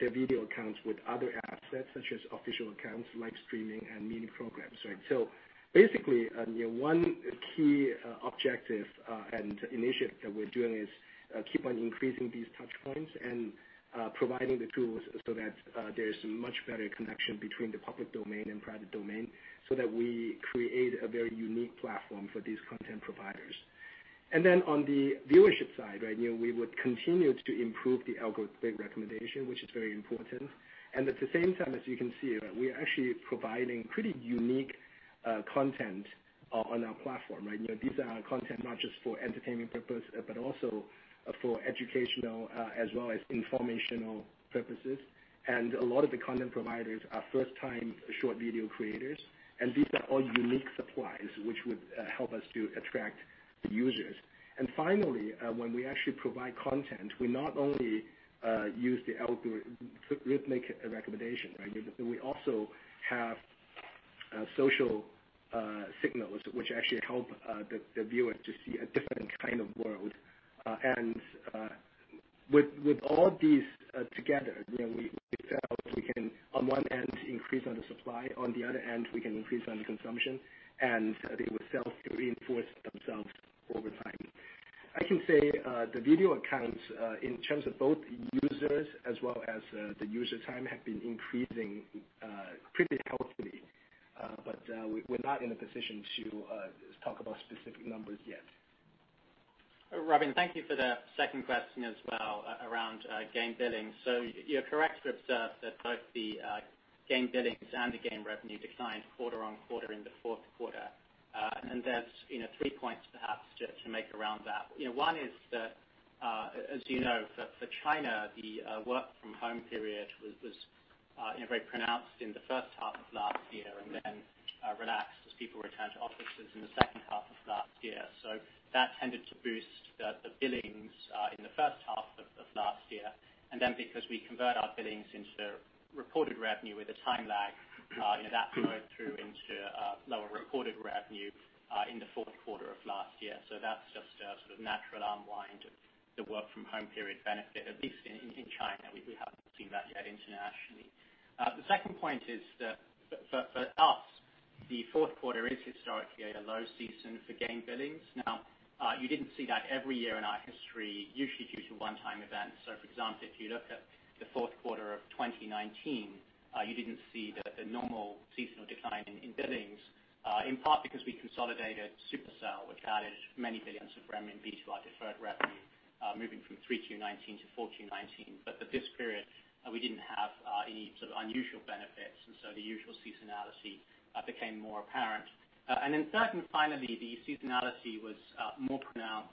their Video Accounts with other assets, such as official accounts, live streaming, and Mini Programs. Basically, one key objective and initiative that we're doing is keep on increasing these touchpoints and providing the tools so that there's much better connection between the public domain and private domain, so that we create a very unique platform for these content providers. Then on the viewership side, we would continue to improve the algorithmic recommendation, which is very important, and at the same time, as you can see, we are actually providing pretty unique content on our platform, right? These are content not just for entertainment purpose, but also for educational, as well as informational purposes. A lot of the content providers are first-time short video creators, and these are all unique supplies, which would help us to attract users. Finally, when we actually provide content, we not only use the algorithmic recommendation, right? We also have social signals, which actually help the viewer to see a different kind of world. With all these together, we felt we can, on one end, increase on the supply, on the other end, we can increase on the consumption, and they would self-reinforce themselves over time. I can say the Video Accounts, in terms of both users as well as the user time, have been increasing pretty healthily. We're not in a position to talk about specific numbers yet.
Robin, thank you for the second question as well around game billing. You're correct to observe that both the game billings and the game revenue declined quarter on quarter in the fourth quarter. There's three points perhaps to make around that. One is that, as you know, for China, the work from home period was very pronounced in the first half of last year and then relaxed as people returned to offices in the second half of last year. That tended to boost the billings in the first half of last year. Because we convert our billings into reported revenue with a time lag, that flowed through into lower reported revenue in the fourth quarter of last year. That's just a sort of natural unwind of the work from home period benefit, at least in China. We haven't seen that yet internationally. The second point is that for us, the fourth quarter is historically a low season for game billings. You didn't see that every year in our history, usually due to one-time events. For example, if you look at the fourth quarter of 2019, you didn't see the normal seasonal decline in billings, in part because we consolidated Supercell, which added many billions of RMB to our deferred revenue, moving from 3Q 2019 to 4Q 2019. This period, we didn't have any sort of unusual benefits, and so the usual seasonality became more apparent. Third, and finally, the seasonality was more pronounced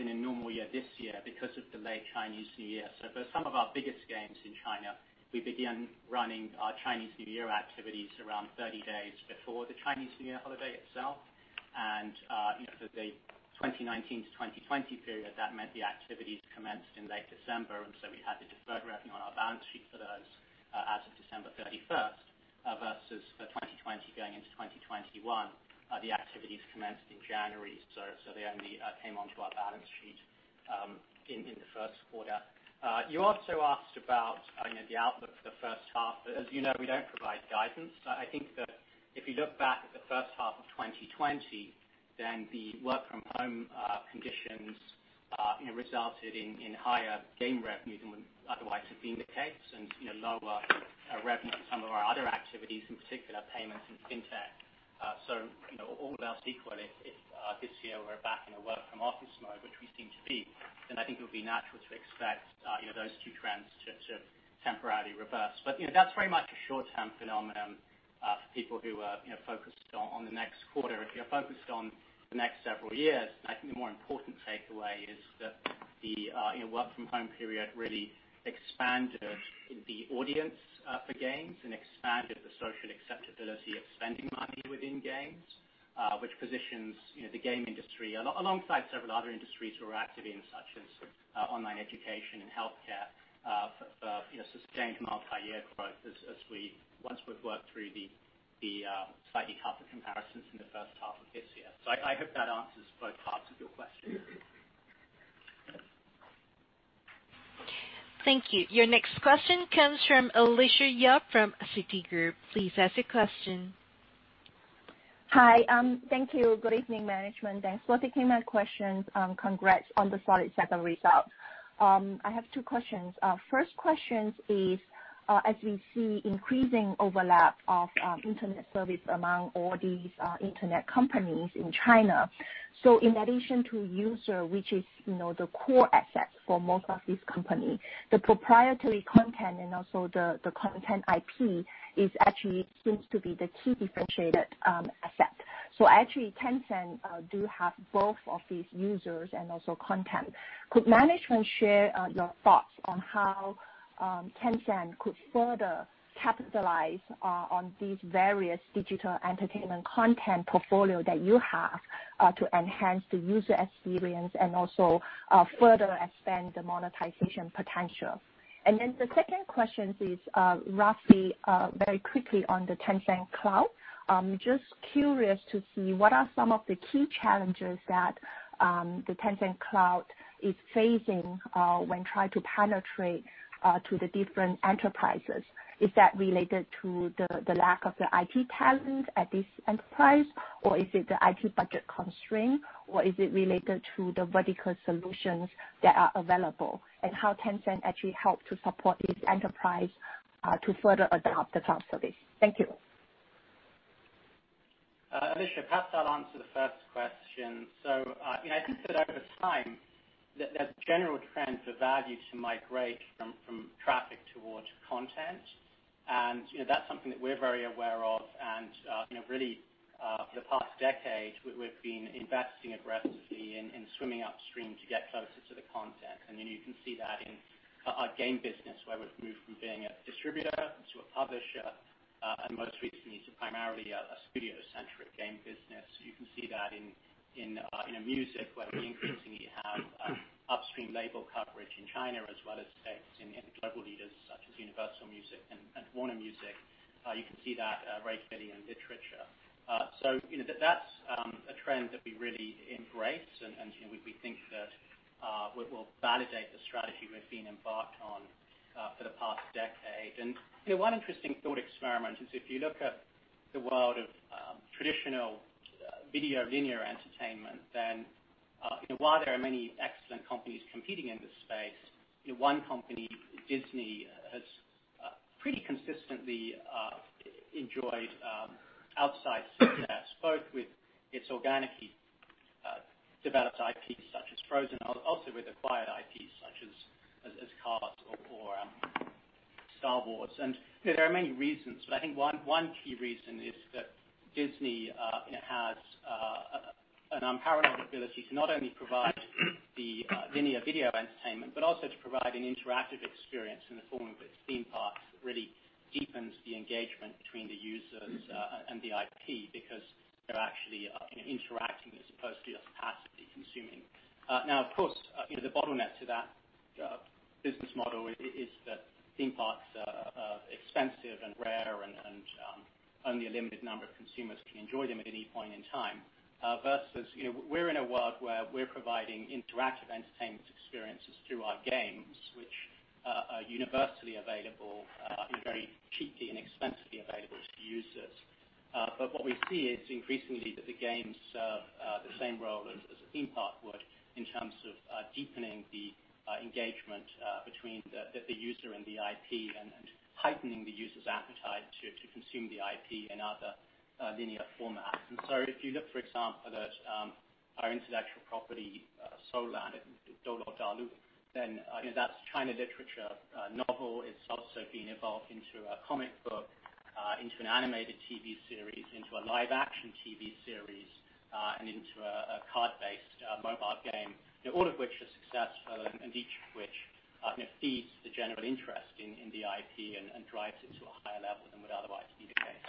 than a normal year this year because of delayed Chinese New Year. For some of our biggest games in China, we began running our Chinese New Year activities around 30 days before the Chinese New Year holiday itself. For the 2019 to 2020 period, that meant the activities commenced in late December, and so we had the deferred revenue on our balance sheet for those as of December 31st, versus for 2020 going into 2021, the activities commenced in January, so they only came onto our balance sheet in the first quarter. You also asked about the outlook for the first half. I think that if you look back at the first half of 2020, then the work from home conditions resulted in higher game revenues than would otherwise have been the case, and lower revenue for some of our other activities, in particular, payments and FinTech. All else equal, if this year we're back in a work from office mode, which we seem to be, then I think it would be natural to expect those two trends to temporarily reverse. That's very much a short-term phenomenon for people who are focused on the next quarter. If you're focused on the next several years, I think the more important takeaway is that the work from home period really expanded the audience for games and expanded the social acceptability of spending money within games, which positions the game industry, alongside several other industries we're active in, such as online education and healthcare, for sustained multi-year growth once we've worked through the slightly tougher comparisons in the first half of this year. I hope that answers both parts of your question.
Thank you. Your next question comes from Alicia Yap from Citigroup. Please ask your question.
Hi. Thank you. Good evening, management. Thanks for taking my questions. Congrats on the solid second results. I have two questions. First question is, as we see increasing overlap of internet service among all these internet companies in China, in addition to user, which is the core asset for most of these companies, the proprietary content and also the content IP actually seems to be the key differentiated asset. Actually, Tencent do have both of these users and also content. Could management share your thoughts on how Tencent could further capitalize on these various digital entertainment content portfolio that you have to enhance the user experience and also further expand the monetization potential? The second question is roughly very quickly on the Tencent Cloud. Just curious to see what are some of the key challenges that the Tencent Cloud is facing when trying to penetrate to the different enterprises. Is that related to the lack of the IT talent at this enterprise, or is it the IT budget constraint, or is it related to the vertical solutions that are available, and how Tencent actually help to support this enterprise to further adopt the cloud service? Thank you.
Alicia, perhaps I'll answer the first question. I think that over time, there's a general trend for value to migrate from traffic towards content. And that's something that we're very aware of, and really for the past decade, we've been investing aggressively in swimming upstream to get closer to the content. And you can see that in our game business, where we've moved from being a distributor to a publisher, and most recently to primarily a studio-centric game business. You can see that in music where we increasingly have upstream label coverage in China as well as stakes in global leaders such as Universal Music and Warner Music. You can see that very clearly in literature. That's a trend that we really embrace, and we think that will validate the strategy we've been embarked on for the past decade. One interesting thought experiment is if you look at the world of traditional video linear entertainment, then while there are many excellent companies competing in this space, one company, Disney, has pretty consistently enjoyed outsized success, both with its organically developed IP such as Frozen, also with acquired IP such as Cars or Star Wars. There are many reasons, but I think one key reason is that Disney has an unparalleled ability to not only provide the linear video entertainment, but also to provide an interactive experience in the form of a theme park that really deepens the engagement between the users and the IP, because they're actually interacting as opposed to just passively consuming. Of course, the bottleneck to that business model is that theme parks are expensive and rare, and only a limited number of consumers can enjoy them at any point in time. Versus we're in a world where we're providing interactive entertainment experiences through our games, which are universally available, very cheaply and inexpensively available to users. What we see is increasingly that the games serve the same role as a theme park would in terms of deepening the engagement between the user and the IP, and heightening the user's appetite to consume the IP in other linear formats. If you look, for example, at our intellectual property, Soul Land/Douluo Dalu, then that's China Literature, a novel. It's also been evolved into a comic book, into an animated TV series, into a live-action TV series, and into a card-based mobile game. All of which are successful, and each of which feeds the general interest in the IP and drives it to a higher level than would otherwise be the case.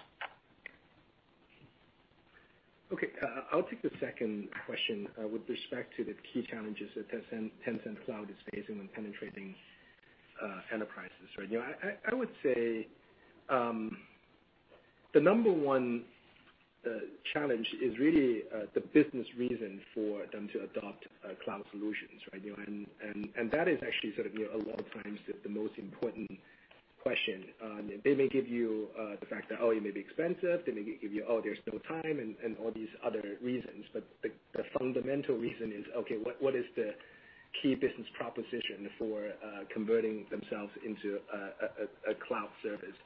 Okay. I'll take the second question with respect to the key challenges that Tencent Cloud is facing when penetrating enterprises. That is actually sort of a lot of times the most important question. They may give you the fact that, oh, it may be expensive. They maybe give you, oh, there's no time, and all these other reasons. The fundamental reason is, okay, what is the key business proposition for converting themselves into a cloud service?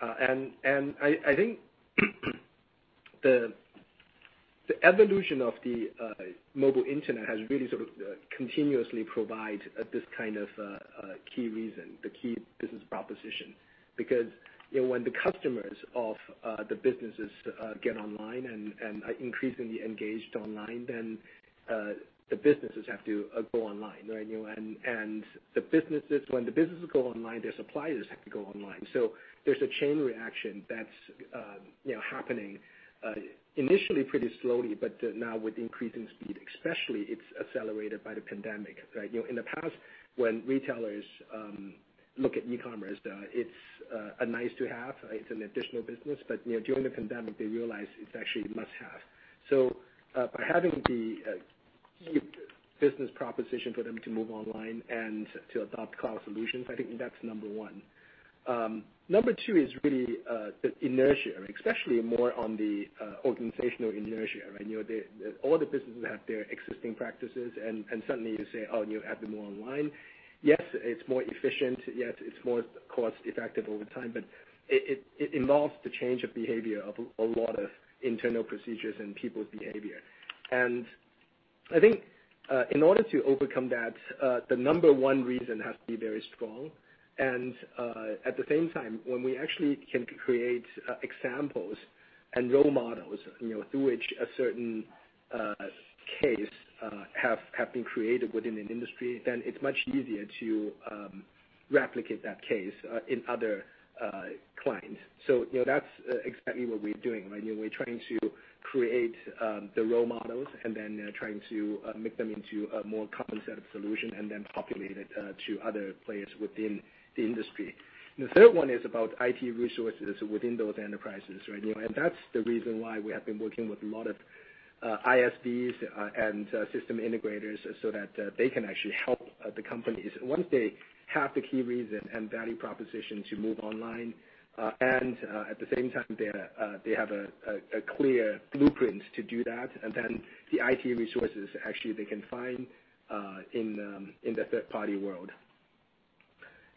I think the evolution of the mobile internet has really sort of continuously provide this kind of key reason, the key business proposition. When the customers of the businesses get online and are increasingly engaged online, then the businesses have to go online, right? When the businesses go online, their suppliers have to go online. There's a chain reaction that's happening, initially pretty slowly, but now with increasing speed, especially it's accelerated by the pandemic. In the past, when retailers look at e-commerce, it's a nice-to-have, it's an additional business. During the pandemic, they realized it's actually a must-have. By having the key business proposition for them to move online and to adopt cloud solutions, I think that's number one. Number two is really the inertia, especially more on the organizational inertia. All the businesses have their existing practices, and suddenly you say, oh, you have to move online. Yes, it's more efficient. Yes, it's more cost-effective over time, but it involves the change of behavior of a lot of internal procedures and people's behavior. I think in order to overcome that, the number one reason has to be very strong. At the same time, when we actually can create examples and role models through which a certain case have been created within an industry, then it's much easier to replicate that case in other clients. That's exactly what we're doing. We're trying to create the role models and then trying to make them into a more common set of solution, and then populate it to other players within the industry. The third one is about IT resources within those enterprises. That's the reason why we have been working with a lot of ISVs and system integrators so that they can actually help the companies. Once they have the key reason and value proposition to move online, at the same time, they have a clear blueprint to do that, the IT resources, actually, they can find in the third-party world.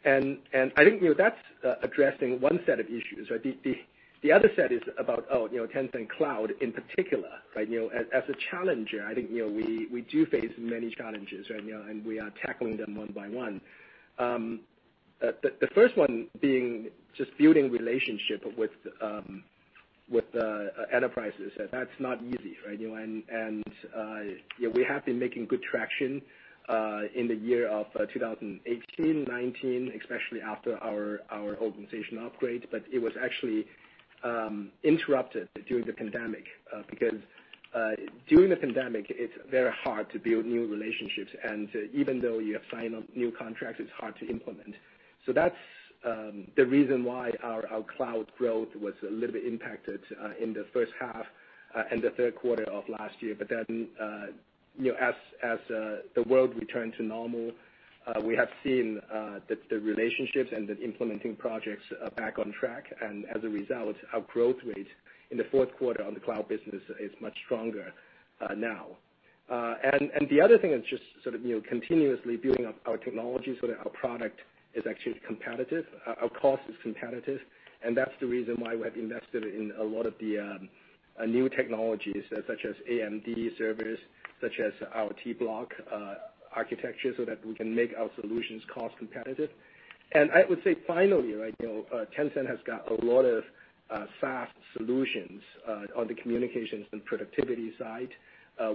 I think that's addressing one set of issues. The other set is about Tencent Cloud in particular. As a challenger, I think we do face many challenges, we are tackling them one by one. The first one being just building relationship with enterprises. That's not easy. We have been making good traction in the year of 2018, 2019, especially after our organization upgrade. It was actually interrupted during the pandemic, because during the pandemic, it's very hard to build new relationships. Even though you sign new contracts, it's hard to implement. That's the reason why our cloud growth was a little bit impacted in the first half and the third quarter of last year. As the world returned to normal, we have seen the relationships and the implementing projects back on track. As a result, our growth rate in the fourth quarter on the cloud business is much stronger now. The other thing is just sort of continuously building up our technology so that our product is actually competitive, our cost is competitive. That's the reason why we have invested in a lot of the new technologies, such as AMD servers, such as our T-block architecture so that we can make our solutions cost competitive. I would say finally, Tencent has got a lot of SaaS solutions on the communications and productivity side,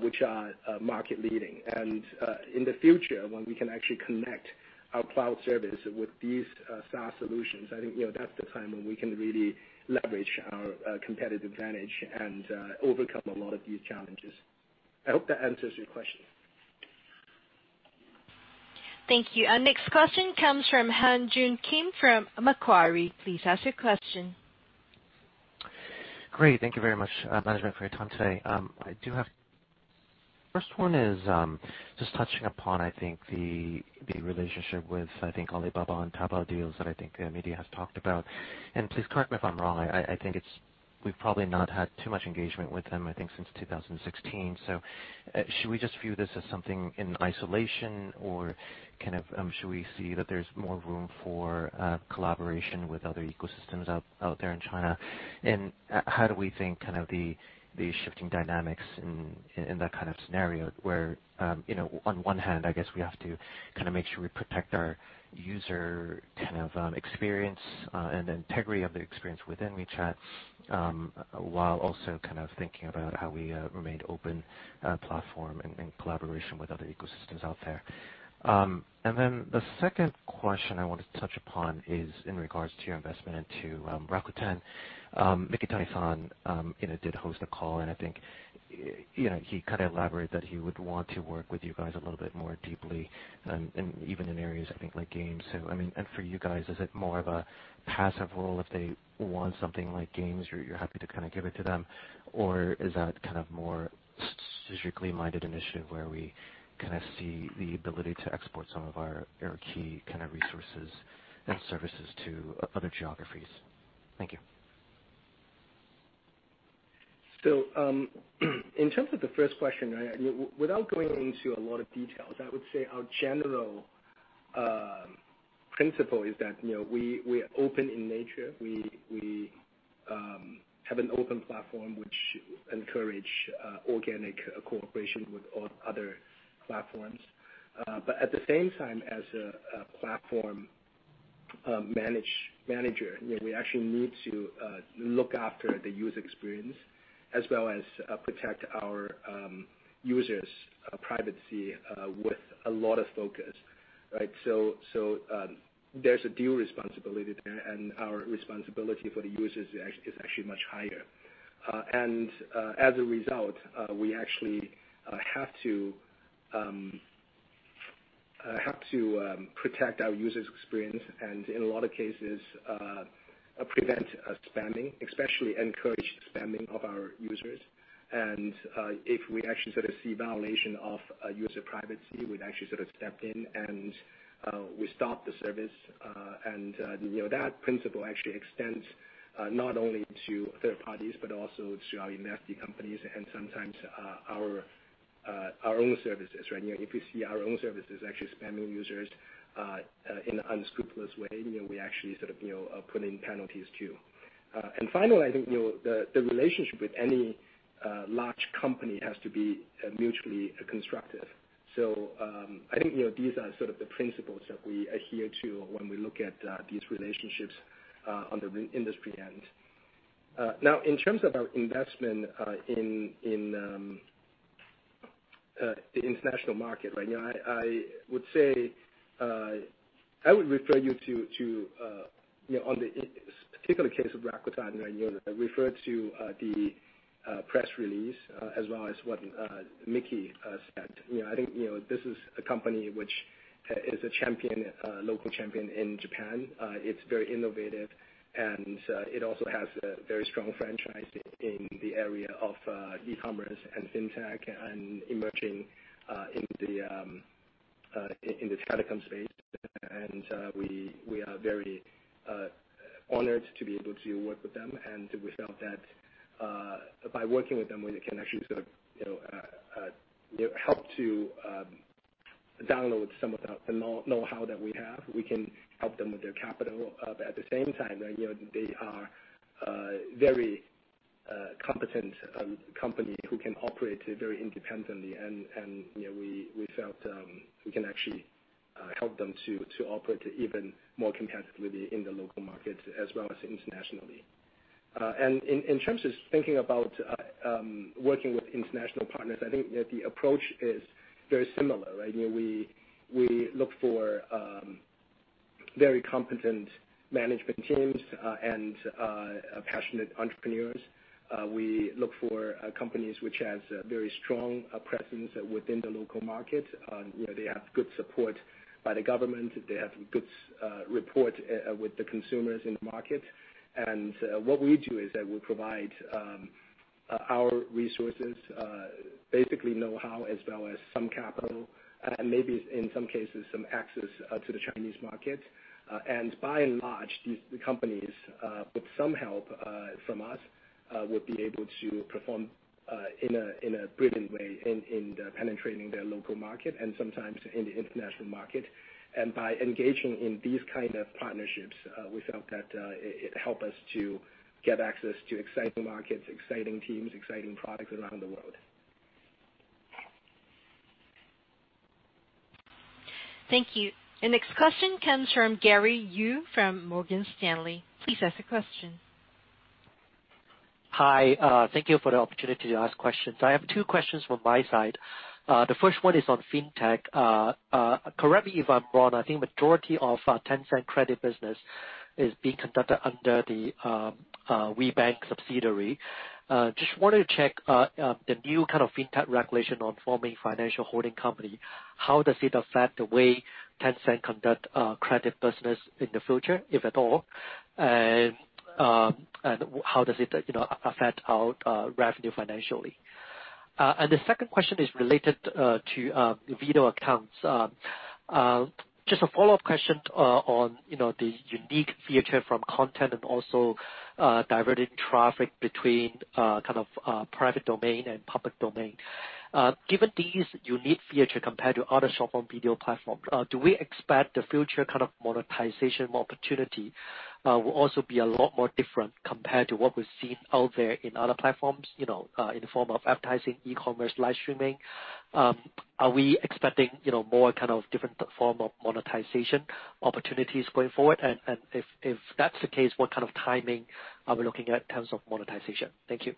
which are market leading. In the future, when we can actually connect our cloud service with these SaaS solutions, I think that's the time when we can really leverage our competitive advantage and overcome a lot of these challenges. I hope that answers your question.
Thank you. Our next question comes from Han Joon Kim from Macquarie. Please ask your question.
Great. Thank you very much, management, for your time today. First one is just touching upon, I think, the relationship with Alibaba and Taobao Deals that I think the media has talked about, and please correct me if I'm wrong. I think we've probably not had too much engagement with them, I think since 2016. Should we just view this as something in isolation, or should we see that there's more room for collaboration with other ecosystems out there in China? How do we think the shifting dynamics in that kind of scenario where on one hand, I guess we have to kind of make sure we protect our user experience, and the integrity of the experience within WeChat, while also thinking about how we remain open platform and collaboration with other ecosystems out there? The second question I wanted to touch upon is in regards to your investment into Rakuten. Mikitani-san did host a call, and I think he kind of elaborated that he would want to work with you guys a little bit more deeply, and even in areas I think like games. I mean, and for you guys, is it more of a passive role if they want something like games, you're happy to give it to them? Is that kind of more strategically minded initiative where we see the ability to export some of our key kind of resources and services to other geographies? Thank you.
In terms of the first question, without going into a lot of details, I would say our general principle is that we are open in nature. We have an open platform which encourage organic cooperation with all other platforms. At the same time, as a platform manager, we actually need to look after the user experience as well as protect our users' privacy, with a lot of focus, right? There's a due responsibility there, and our responsibility for the users is actually much higher. As a result, we actually have to protect our user's experience and in a lot of cases, prevent spamming, especially encouraged spamming of our users. If we actually see violation of user privacy, we'd actually sort of step in and we stop the service. That principle actually extends, not only to third parties, but also to our investee companies and sometimes our own services, right? If we see our own services actually spamming users in an unscrupulous way, we actually put in penalties too. Finally, I think, the relationship with any large company has to be mutually constructive. I think these are sort of the principles that we adhere to when we look at these relationships on the industry end. Now, in terms of our investment in the international market, I would refer you to, on the particular case of Rakuten, I refer to the press release, as well as what Miki said. I think this is a company which is a local champion in Japan. It's very innovative and it also has a very strong franchise in the area of e-commerce and FinTech and emerging in the telecom space. We are very honored to be able to work with them. We felt that by working with them, we can actually sort of help to download some of the knowhow that we have. We can help them with their capital. At the same time, they are a very competent company who can operate very independently and we felt we can actually help them to operate even more competitively in the local market as well as internationally. In terms of thinking about working with international partners, I think the approach is very similar, right? We look for very competent management teams and passionate entrepreneurs. We look for companies which has a very strong presence within the local market. They have good support by the government, they have good rapport with the consumers in the market. What we do is that we provide our resources, basically know-how as well as some capital, and maybe in some cases, some access to the Chinese market. By and large, these companies, with some help from us, will be able to perform in a brilliant way in penetrating their local market and sometimes in the international market. By engaging in these kind of partnerships, we felt that it help us to get access to exciting markets, exciting teams, exciting products around the world.
Thank you. The next question comes from Gary Yu from Morgan Stanley. Please ask the question.
Hi. Thank you for the opportunity to ask questions. I have two questions from my side. The first one is on FinTech. Correct me if I'm wrong, I think majority of Tencent credit business is being conducted under the WeBank subsidiary. Just wanted to check, the new kind of FinTech regulation on forming financial holding company, how does it affect the way Tencent conduct credit business in the future, if at all? How does it affect our revenue financially? The second question is related to Video Accounts. Just a follow-up question on the unique feature from content and also diverted traffic between private domain and public domain. Given these unique feature compared to other short-form video platform, do we expect the future monetization opportunity will also be a lot more different compared to what we've seen out there in other platforms, in the form of advertising, e-commerce, live streaming? Are we expecting more kind of different form of monetization opportunities going forward? If that's the case, what kind of timing are we looking at in terms of monetization? Thank you.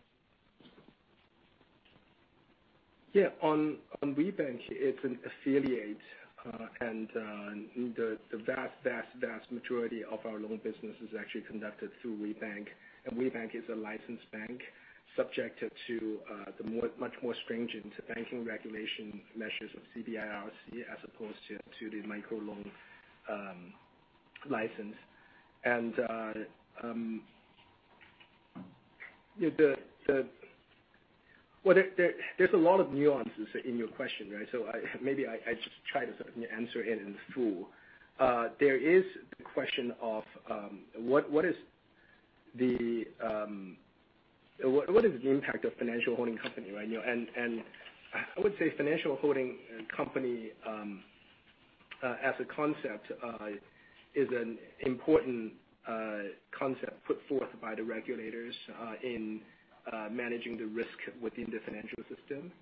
Yeah. On WeBank, it's an affiliate. The vast majority of our loan business is actually conducted through WeBank. WeBank is a licensed bank subject to the much more stringent banking regulation measures of CBIRC as opposed to the microloan license. There's a lot of nuances in your question, right? Maybe I just try to certainly answer it in full. There is the question of what is the impact of financial holding company, right? I would say financial holding company, as a concept, is an important concept put forth by the regulators in managing the risk within the financial system.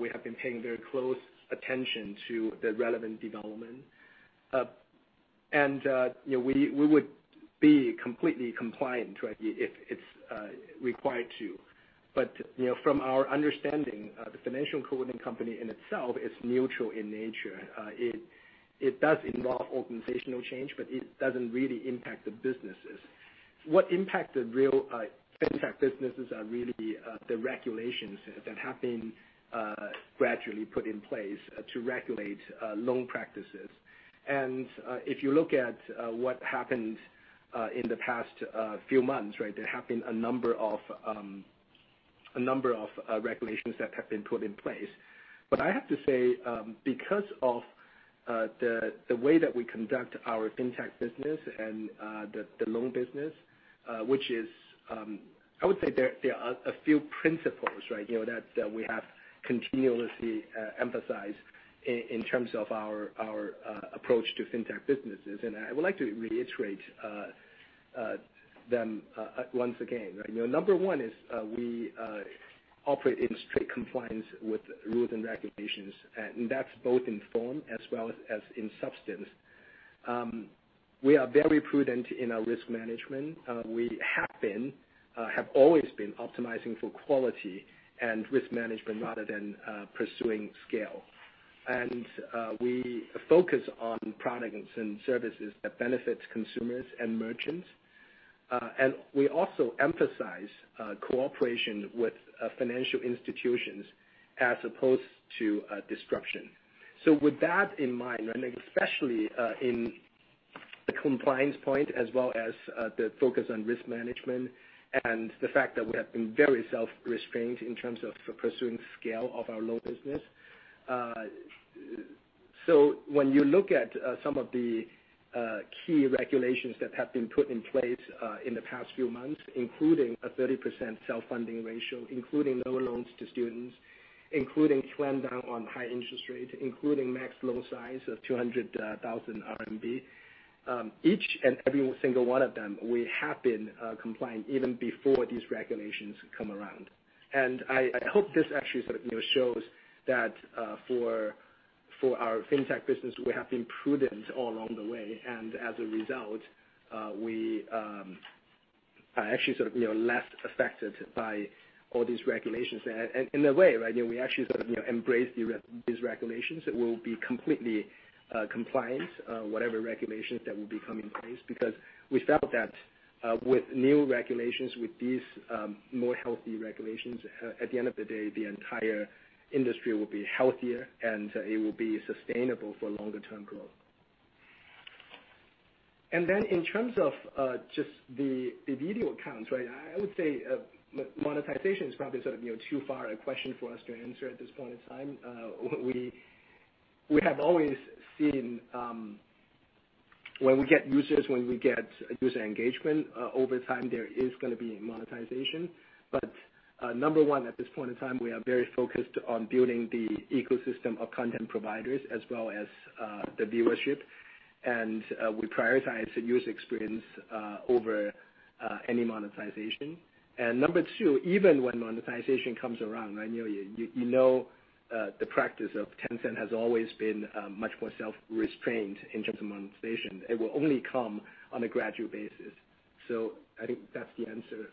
We have been paying very close attention to the relevant development. We would be completely compliant, right, if it's required to. From our understanding, the financial holding company in itself is neutral in nature. It does involve organizational change, but it doesn't really impact the businesses. What impact the real FinTech businesses are really the regulations that have been gradually put in place to regulate loan practices. If you look at what happened in the past few months, right, there have been a number of regulations that have been put in place. I have to say, because of the way that we conduct our FinTech business and the loan business, which is, I would say there are a few principles, right, that we have continuously emphasized in terms of our approach to FinTech businesses. I would like to reiterate them once again. Number one is we operate in strict compliance with rules and regulations. That's both in form as well as in substance. We are very prudent in our risk management. We have always been optimizing for quality and risk management rather than pursuing scale. We focus on products and services that benefits consumers and merchants. We also emphasize cooperation with financial institutions as opposed to disruption. With that in mind, and especially in the compliance point as well as the focus on risk management and the fact that we have been very self-restrained in terms of pursuing scale of our loan business. When you look at some of the key regulations that have been put in place in the past few months, including a 30% self-funding ratio, including lower loans to students, including clampdown on high interest rate, including max loan size of 200,000 RMB, each and every single one of them, we have been compliant even before these regulations come around. I hope this actually sort of shows that for our FinTech business, we have been prudent all along the way, and as a result, we are actually sort of less affected by all these regulations. In a way, right, we actually sort of embrace these regulations, that we'll be completely compliant, whatever regulations that will be coming in place. We felt that with new regulations, with these more healthy regulations, at the end of the day, the entire industry will be healthier and it will be sustainable for longer term growth. Then in terms of just the Video Accounts, right, I would say monetization is probably sort of too far a question for us to answer at this point in time. We have always seen, when we get users, when we get user engagement, over time, there is gonna be monetization. Number one, at this point in time, we are very focused on building the ecosystem of content providers as well as the viewership. We prioritize the user experience over any monetization. Number one, even when monetization comes around, you know the practice of Tencent has always been much more self-restrained in terms of monetization. It will only come on a gradual basis. I think that's the answer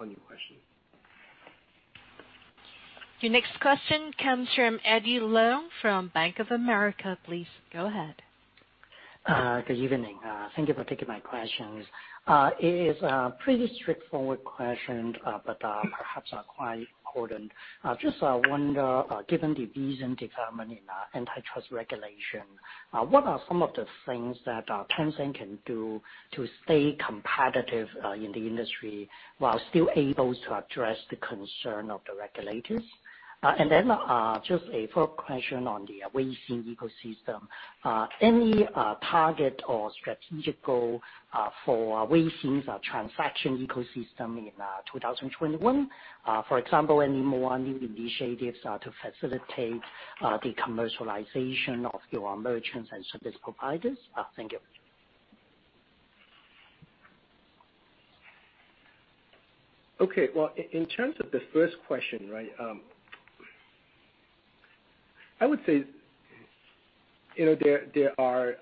on your question.
Your next question comes from Eddie Leung from Bank of America. Please go ahead.
Good evening. Thank you for taking my questions. It is a pretty straightforward question, but perhaps quite important. Just wonder, given the recent development in antitrust regulation, what are some of the things that Tencent can do to stay competitive in the industry while still able to address the concern of the regulators? Just a follow-up question on the Weixin ecosystem. Any target or strategic goal for Weixin's transaction ecosystem in 2021? For example, any more new initiatives to facilitate the commercialization of your merchants and service providers? Thank you.
Well, in terms of the first question, I would say there are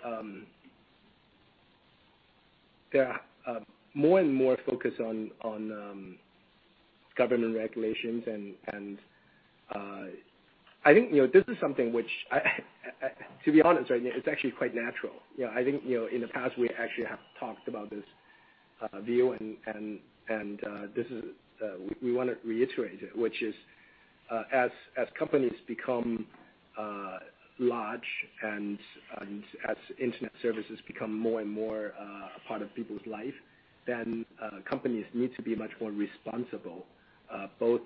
more and more focus on government regulations, and I think this is something which, to be honest, it's actually quite natural. I think, in the past, we actually have talked about this view, and we want to reiterate it, which is, as companies become large and as internet services become more and more a part of people's life, then companies need to be much more responsible, both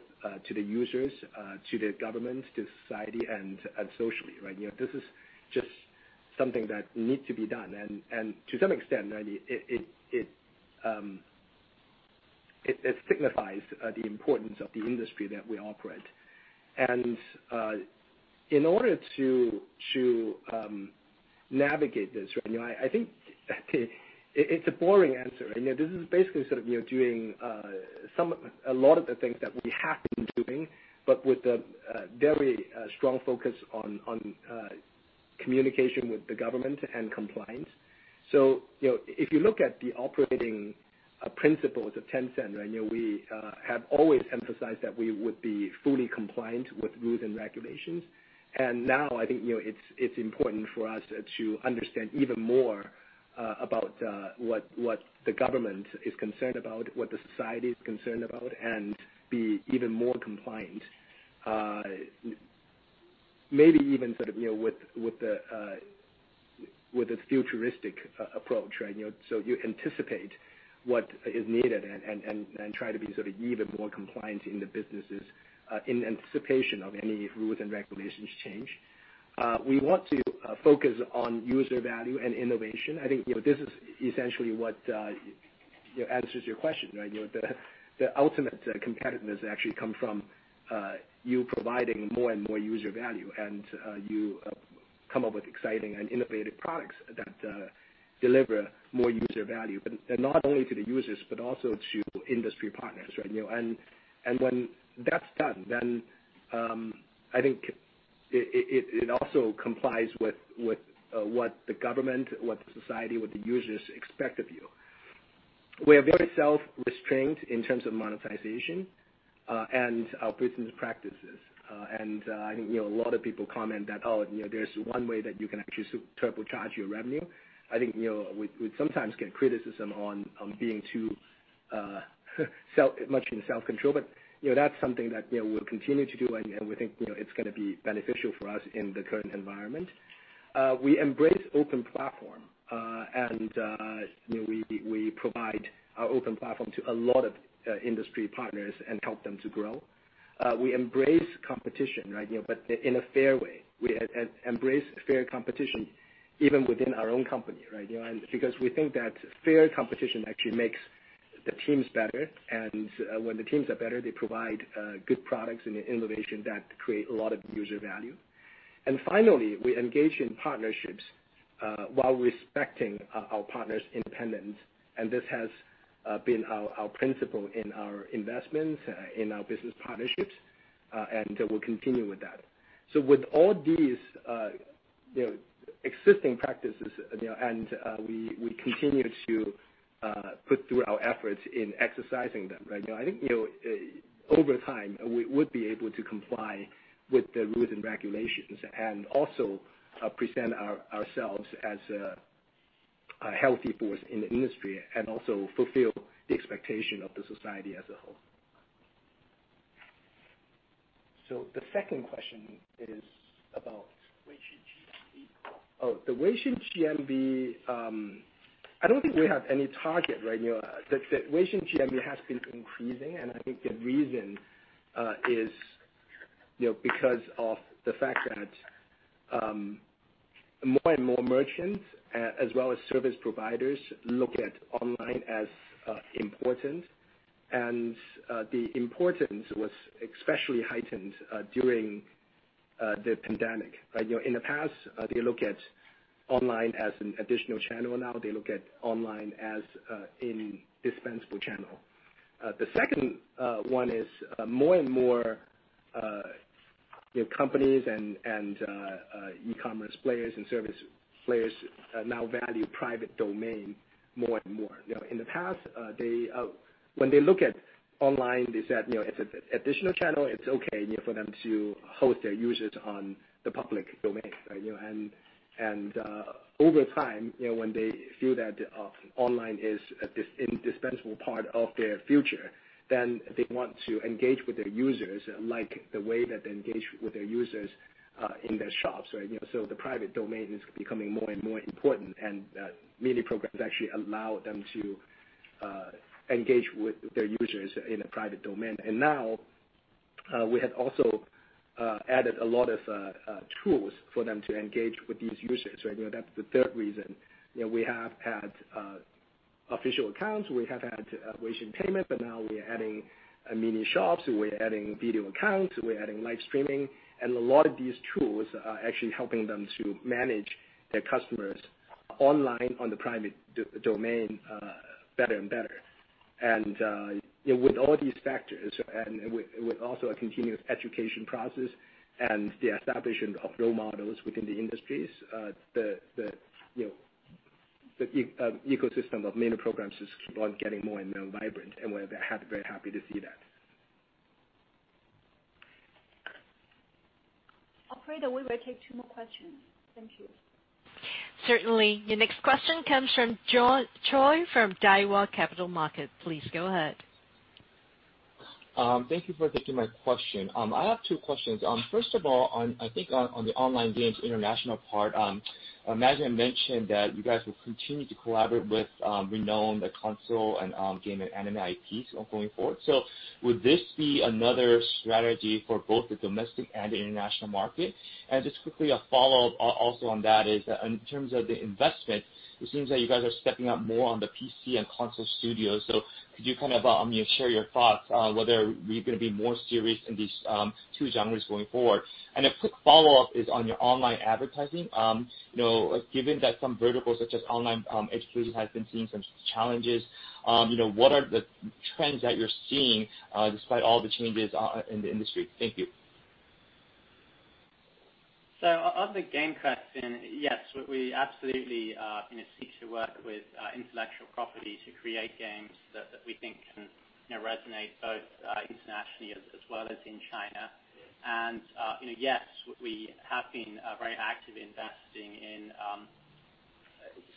to the users, to the governments, to society, and socially, right? This is just something that needs to be done. To some extent, it signifies the importance of the industry that we operate. In order to navigate this, I think it's a boring answer. This is basically sort of doing a lot of the things that we have been doing, but with a very strong focus on communication with the government and compliance. If you look at the operating principles of Tencent, we have always emphasized that we would be fully compliant with rules and regulations. Now I think, it's important for us to understand even more about what the government is concerned about, what the society is concerned about, and be even more compliant. Maybe even sort of with a futuristic approach, right? You anticipate what is needed and try to be sort of even more compliant in the businesses in anticipation of any rules and regulations change. We want to focus on user value and innovation. I think this is essentially what answers your question, right? The ultimate competitiveness actually come from you providing more and more user value, and you come up with exciting and innovative products that deliver more user value, but not only to the users, but also to industry partners, right? When that's done, then I think it also complies with what the government, what the society, what the users expect of you. We are very self-restrained in terms of monetization and our business practices. I think, a lot of people comment that, oh, there's one way that you can actually turbocharge your revenue. I think, we sometimes get criticism on being too much in self-control, but that's something that we'll continue to do, and we think it's going to be beneficial for us in the current environment. We embrace open platform, and we provide our open platform to a lot of industry partners and help them to grow. We embrace competition, right? But in a fair way. We embrace fair competition even within our own company, right? Because we think that fair competition actually makes the teams better. When the teams are better, they provide good products and innovation that create a lot of user value. Finally, we engage in partnerships while respecting our partners' independence, and this has been our principle in our investments, in our business partnerships, and we'll continue with that. With all these existing practices, and we continue to put through our efforts in exercising them, right? I think, over time, we would be able to comply with the rules and regulations and also present ourselves as a healthy force in the industry and also fulfill the expectation of the society as a whole. The second question is about?
Weixin GMV.
The Weixin GMV, I don't think we have any target right now. The Weixin GMV has been increasing, I think the reason is because of the fact that more and more merchants, as well as service providers, look at online as important. The importance was especially heightened during the pandemic. In the past, they look at online as an additional channel. Now they look at online as an indispensable channel. The second one is more and more companies and e-commerce players and service players now value private domain more and more. In the past, when they look at online, they said, if it's additional channel, it's okay for them to host their users on the public domain. Over time, when they feel that online is an indispensable part of their future, then they want to engage with their users, like the way that they engage with their users in their shops. The private domain is becoming more and more important, and Mini Programs actually allow them to engage with their users in a private domain. Now, we have also added a lot of tools for them to engage with these users. That's the third reason. We have had official accounts, we have had Weixin Payments, but now we are adding Mini Shops, we're adding Video Accounts, we're adding live streaming, and a lot of these tools are actually helping them to manage their customers online on the private domain better and better. With all these factors and with also a continuous education process and the establishment of role models within the industries, the ecosystem of Mini Programs just keep on getting more and more vibrant, and we're very happy to see that.
Operator, we will take two more questions. Thank you.
Certainly. The next question comes from John Choi from Daiwa Capital Markets. Please go ahead.
Thank you for taking my question. I have two questions. I think on the online games international part, you mentioned that you guys will continue to collaborate with renowned console and game and anime IPs going forward. Would this be another strategy for both the domestic and the international market? Just quickly a follow-up also on that is, in terms of the investment, it seems that you guys are stepping up more on the PC and console studios. Could you share your thoughts on whether we're going to be more serious in these two genres going forward? A quick follow-up is on your online advertising. Given that some verticals such as online education has been seeing some challenges, what are the trends that you're seeing despite all the changes in the industry? Thank you.
On the game question, yes, we absolutely seek to work with intellectual property to create games that we think can resonate both internationally as well as in China. Yes, we have been very active investing in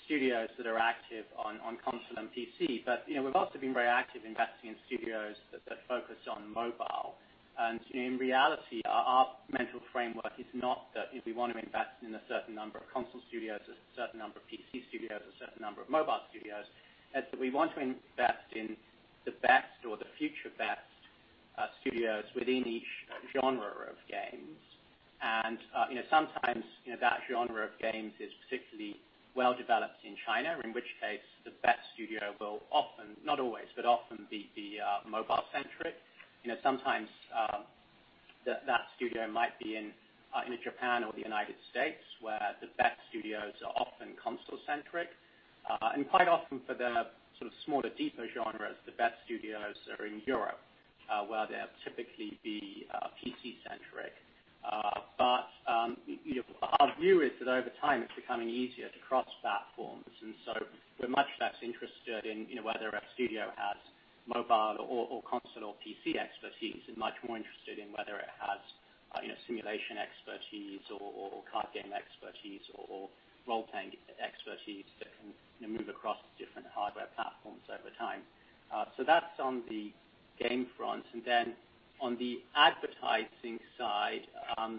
studios that are active on console and PC. We've also been very active investing in studios that are focused on mobile. In reality, our mental framework is not that we want to invest in a certain number of console studios, a certain number of PC studios, a certain number of mobile studios. It's that we want to invest in the best or the future best studios within each genre of games. Sometimes that genre of games is particularly well-developed in China, in which case, the best studio will often, not always, but often be mobile centric. Sometimes, that studio might be in Japan or the United States, where the best studios are often console centric. Quite often for the sort of smaller deeper genres, the best studios are in Europe, where they'll typically be PC centric. Our view is that over time, it's becoming easier to cross platforms, and so we're much less interested in whether a studio has mobile or console or PC expertise, and much more interested in whether it has simulation expertise or card game expertise or role-playing expertise that can move across different hardware platforms over time. That's on the game front. On the advertising side, I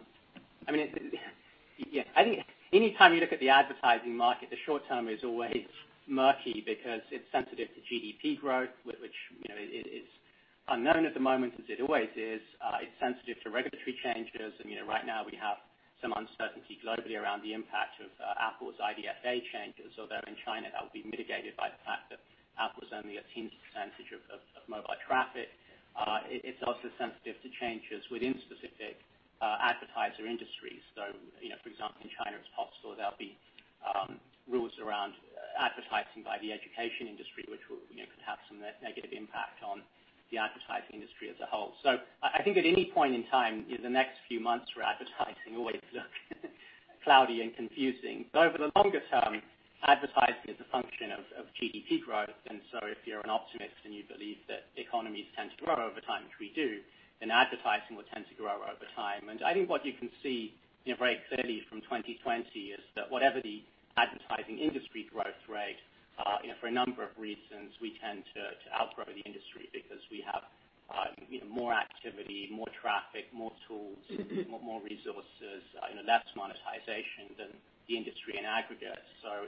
think anytime you look at the advertising market, the short term is always murky because it's sensitive to GDP growth, which is unknown at the moment, as it always is. It's sensitive to regulatory changes. Right now we have some uncertainty globally around the impact of Apple's IDFA changes, although in China, that will be mitigated by the fact that Apple is only a teeny percentage of mobile traffic. It is also sensitive to changes within specific advertiser industries. For example, in China, it is possible there will be rules around advertising by the education industry, which could have some negative impact on the advertising industry as a whole. I think at any point in time in the next few months, where advertising always looks cloudy and confusing. Over the longer term, advertising is a function of GDP growth. If you are an optimist and you believe that economies tend to grow over time, which we do, then advertising will tend to grow over time. I think what you can see very clearly from 2020 is that whatever the advertising industry growth rate, for a number of reasons, we tend to outgrow the industry because we have more activity, more traffic, more tools, more resources, less monetization than the industry in aggregate.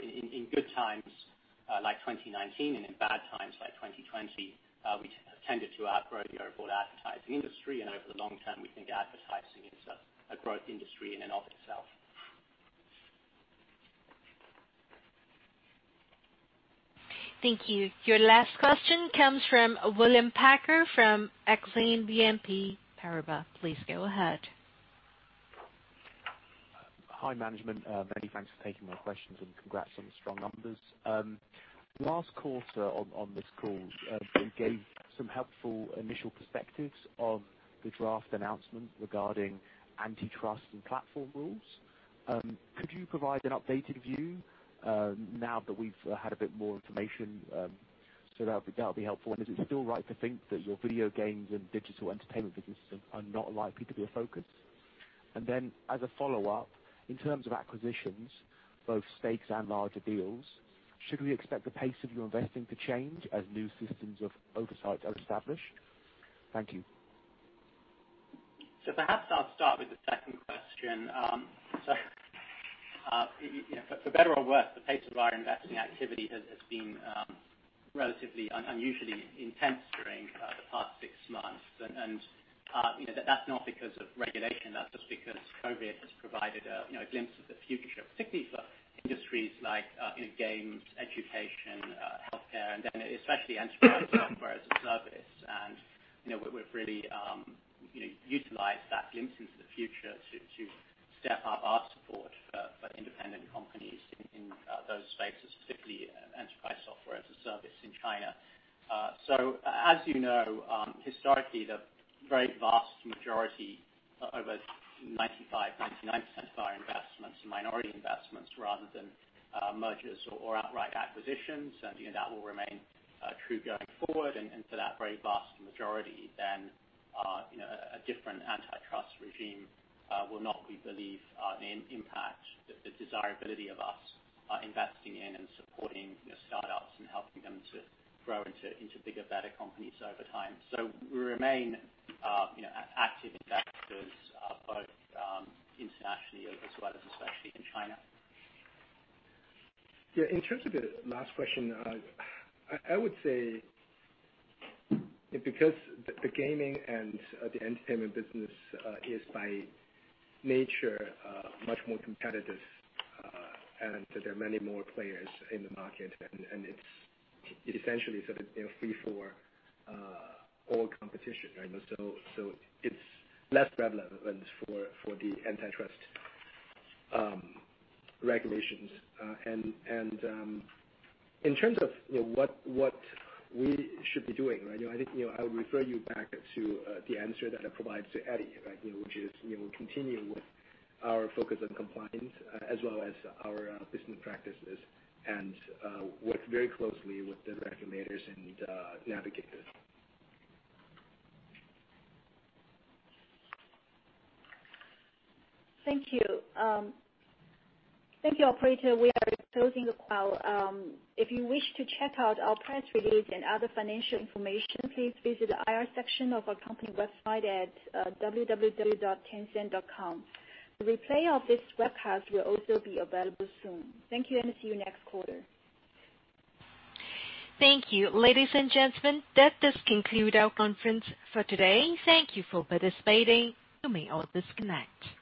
In good times like 2019 and in bad times like 2020, we tended to outgrow the overall advertising industry, and over the long term, we think advertising is a growth industry in and of itself.
Thank you. Your last question comes from William Packer from Exane BNP Paribas. Please go ahead.
Hi, management. Many thanks for taking my questions, and congrats on the strong numbers. Last quarter on this call, you gave some helpful initial perspectives on the draft announcement regarding antitrust and platform rules. Could you provide an updated view now that we've had a bit more information? That'll be helpful. Is it still right to think that your video games and digital entertainment businesses are not likely to be a focus? Then as a follow-up, in terms of acquisitions, both stakes and larger deals, should we expect the pace of your investing to change as new systems of oversight are established? Thank you.
Perhaps I'll start with the second question. For better or worse, the pace of our investing activity has been relatively unusually intense during the past six months. That's not because of regulation, that's just because COVID-19 has provided a glimpse of the future, particularly for industries like games, education, healthcare, especially enterprise software as a service. We've really utilized that glimpse into the future to step up our support for independent companies in those spaces, specifically enterprise software as a service in China. As you know, historically, the very vast majority, over 95%, 99% of our investments are minority investments rather than mergers or outright acquisitions. That will remain true going forward. For that very vast majority then, a different antitrust regime will not, we believe, impact the desirability of us investing in and supporting startups and helping them to grow into bigger, better companies over time. We remain active investors both internationally as well as especially in China.
Yeah. In terms of the last question, I would say because the gaming and the entertainment business is by nature much more competitive, and there are many more players in the market, and it essentially is free for all competition, right? It's less relevant for the antitrust regulations. In terms of what we should be doing, I think I would refer you back to the answer that I provided to Eddie, which is we'll continue with our focus on compliance as well as our business practices, and work very closely with the regulators and navigate this.
Thank you. Thank you, operator. We are closing out. If you wish to check out our press release and other financial information, please visit the IR section of our company website at www.tencent.com. The replay of this webcast will also be available soon. Thank you, and see you next quarter
Thank you. Ladies and gentlemen, that does conclude our conference for today. Thank you for participating. You may all disconnect.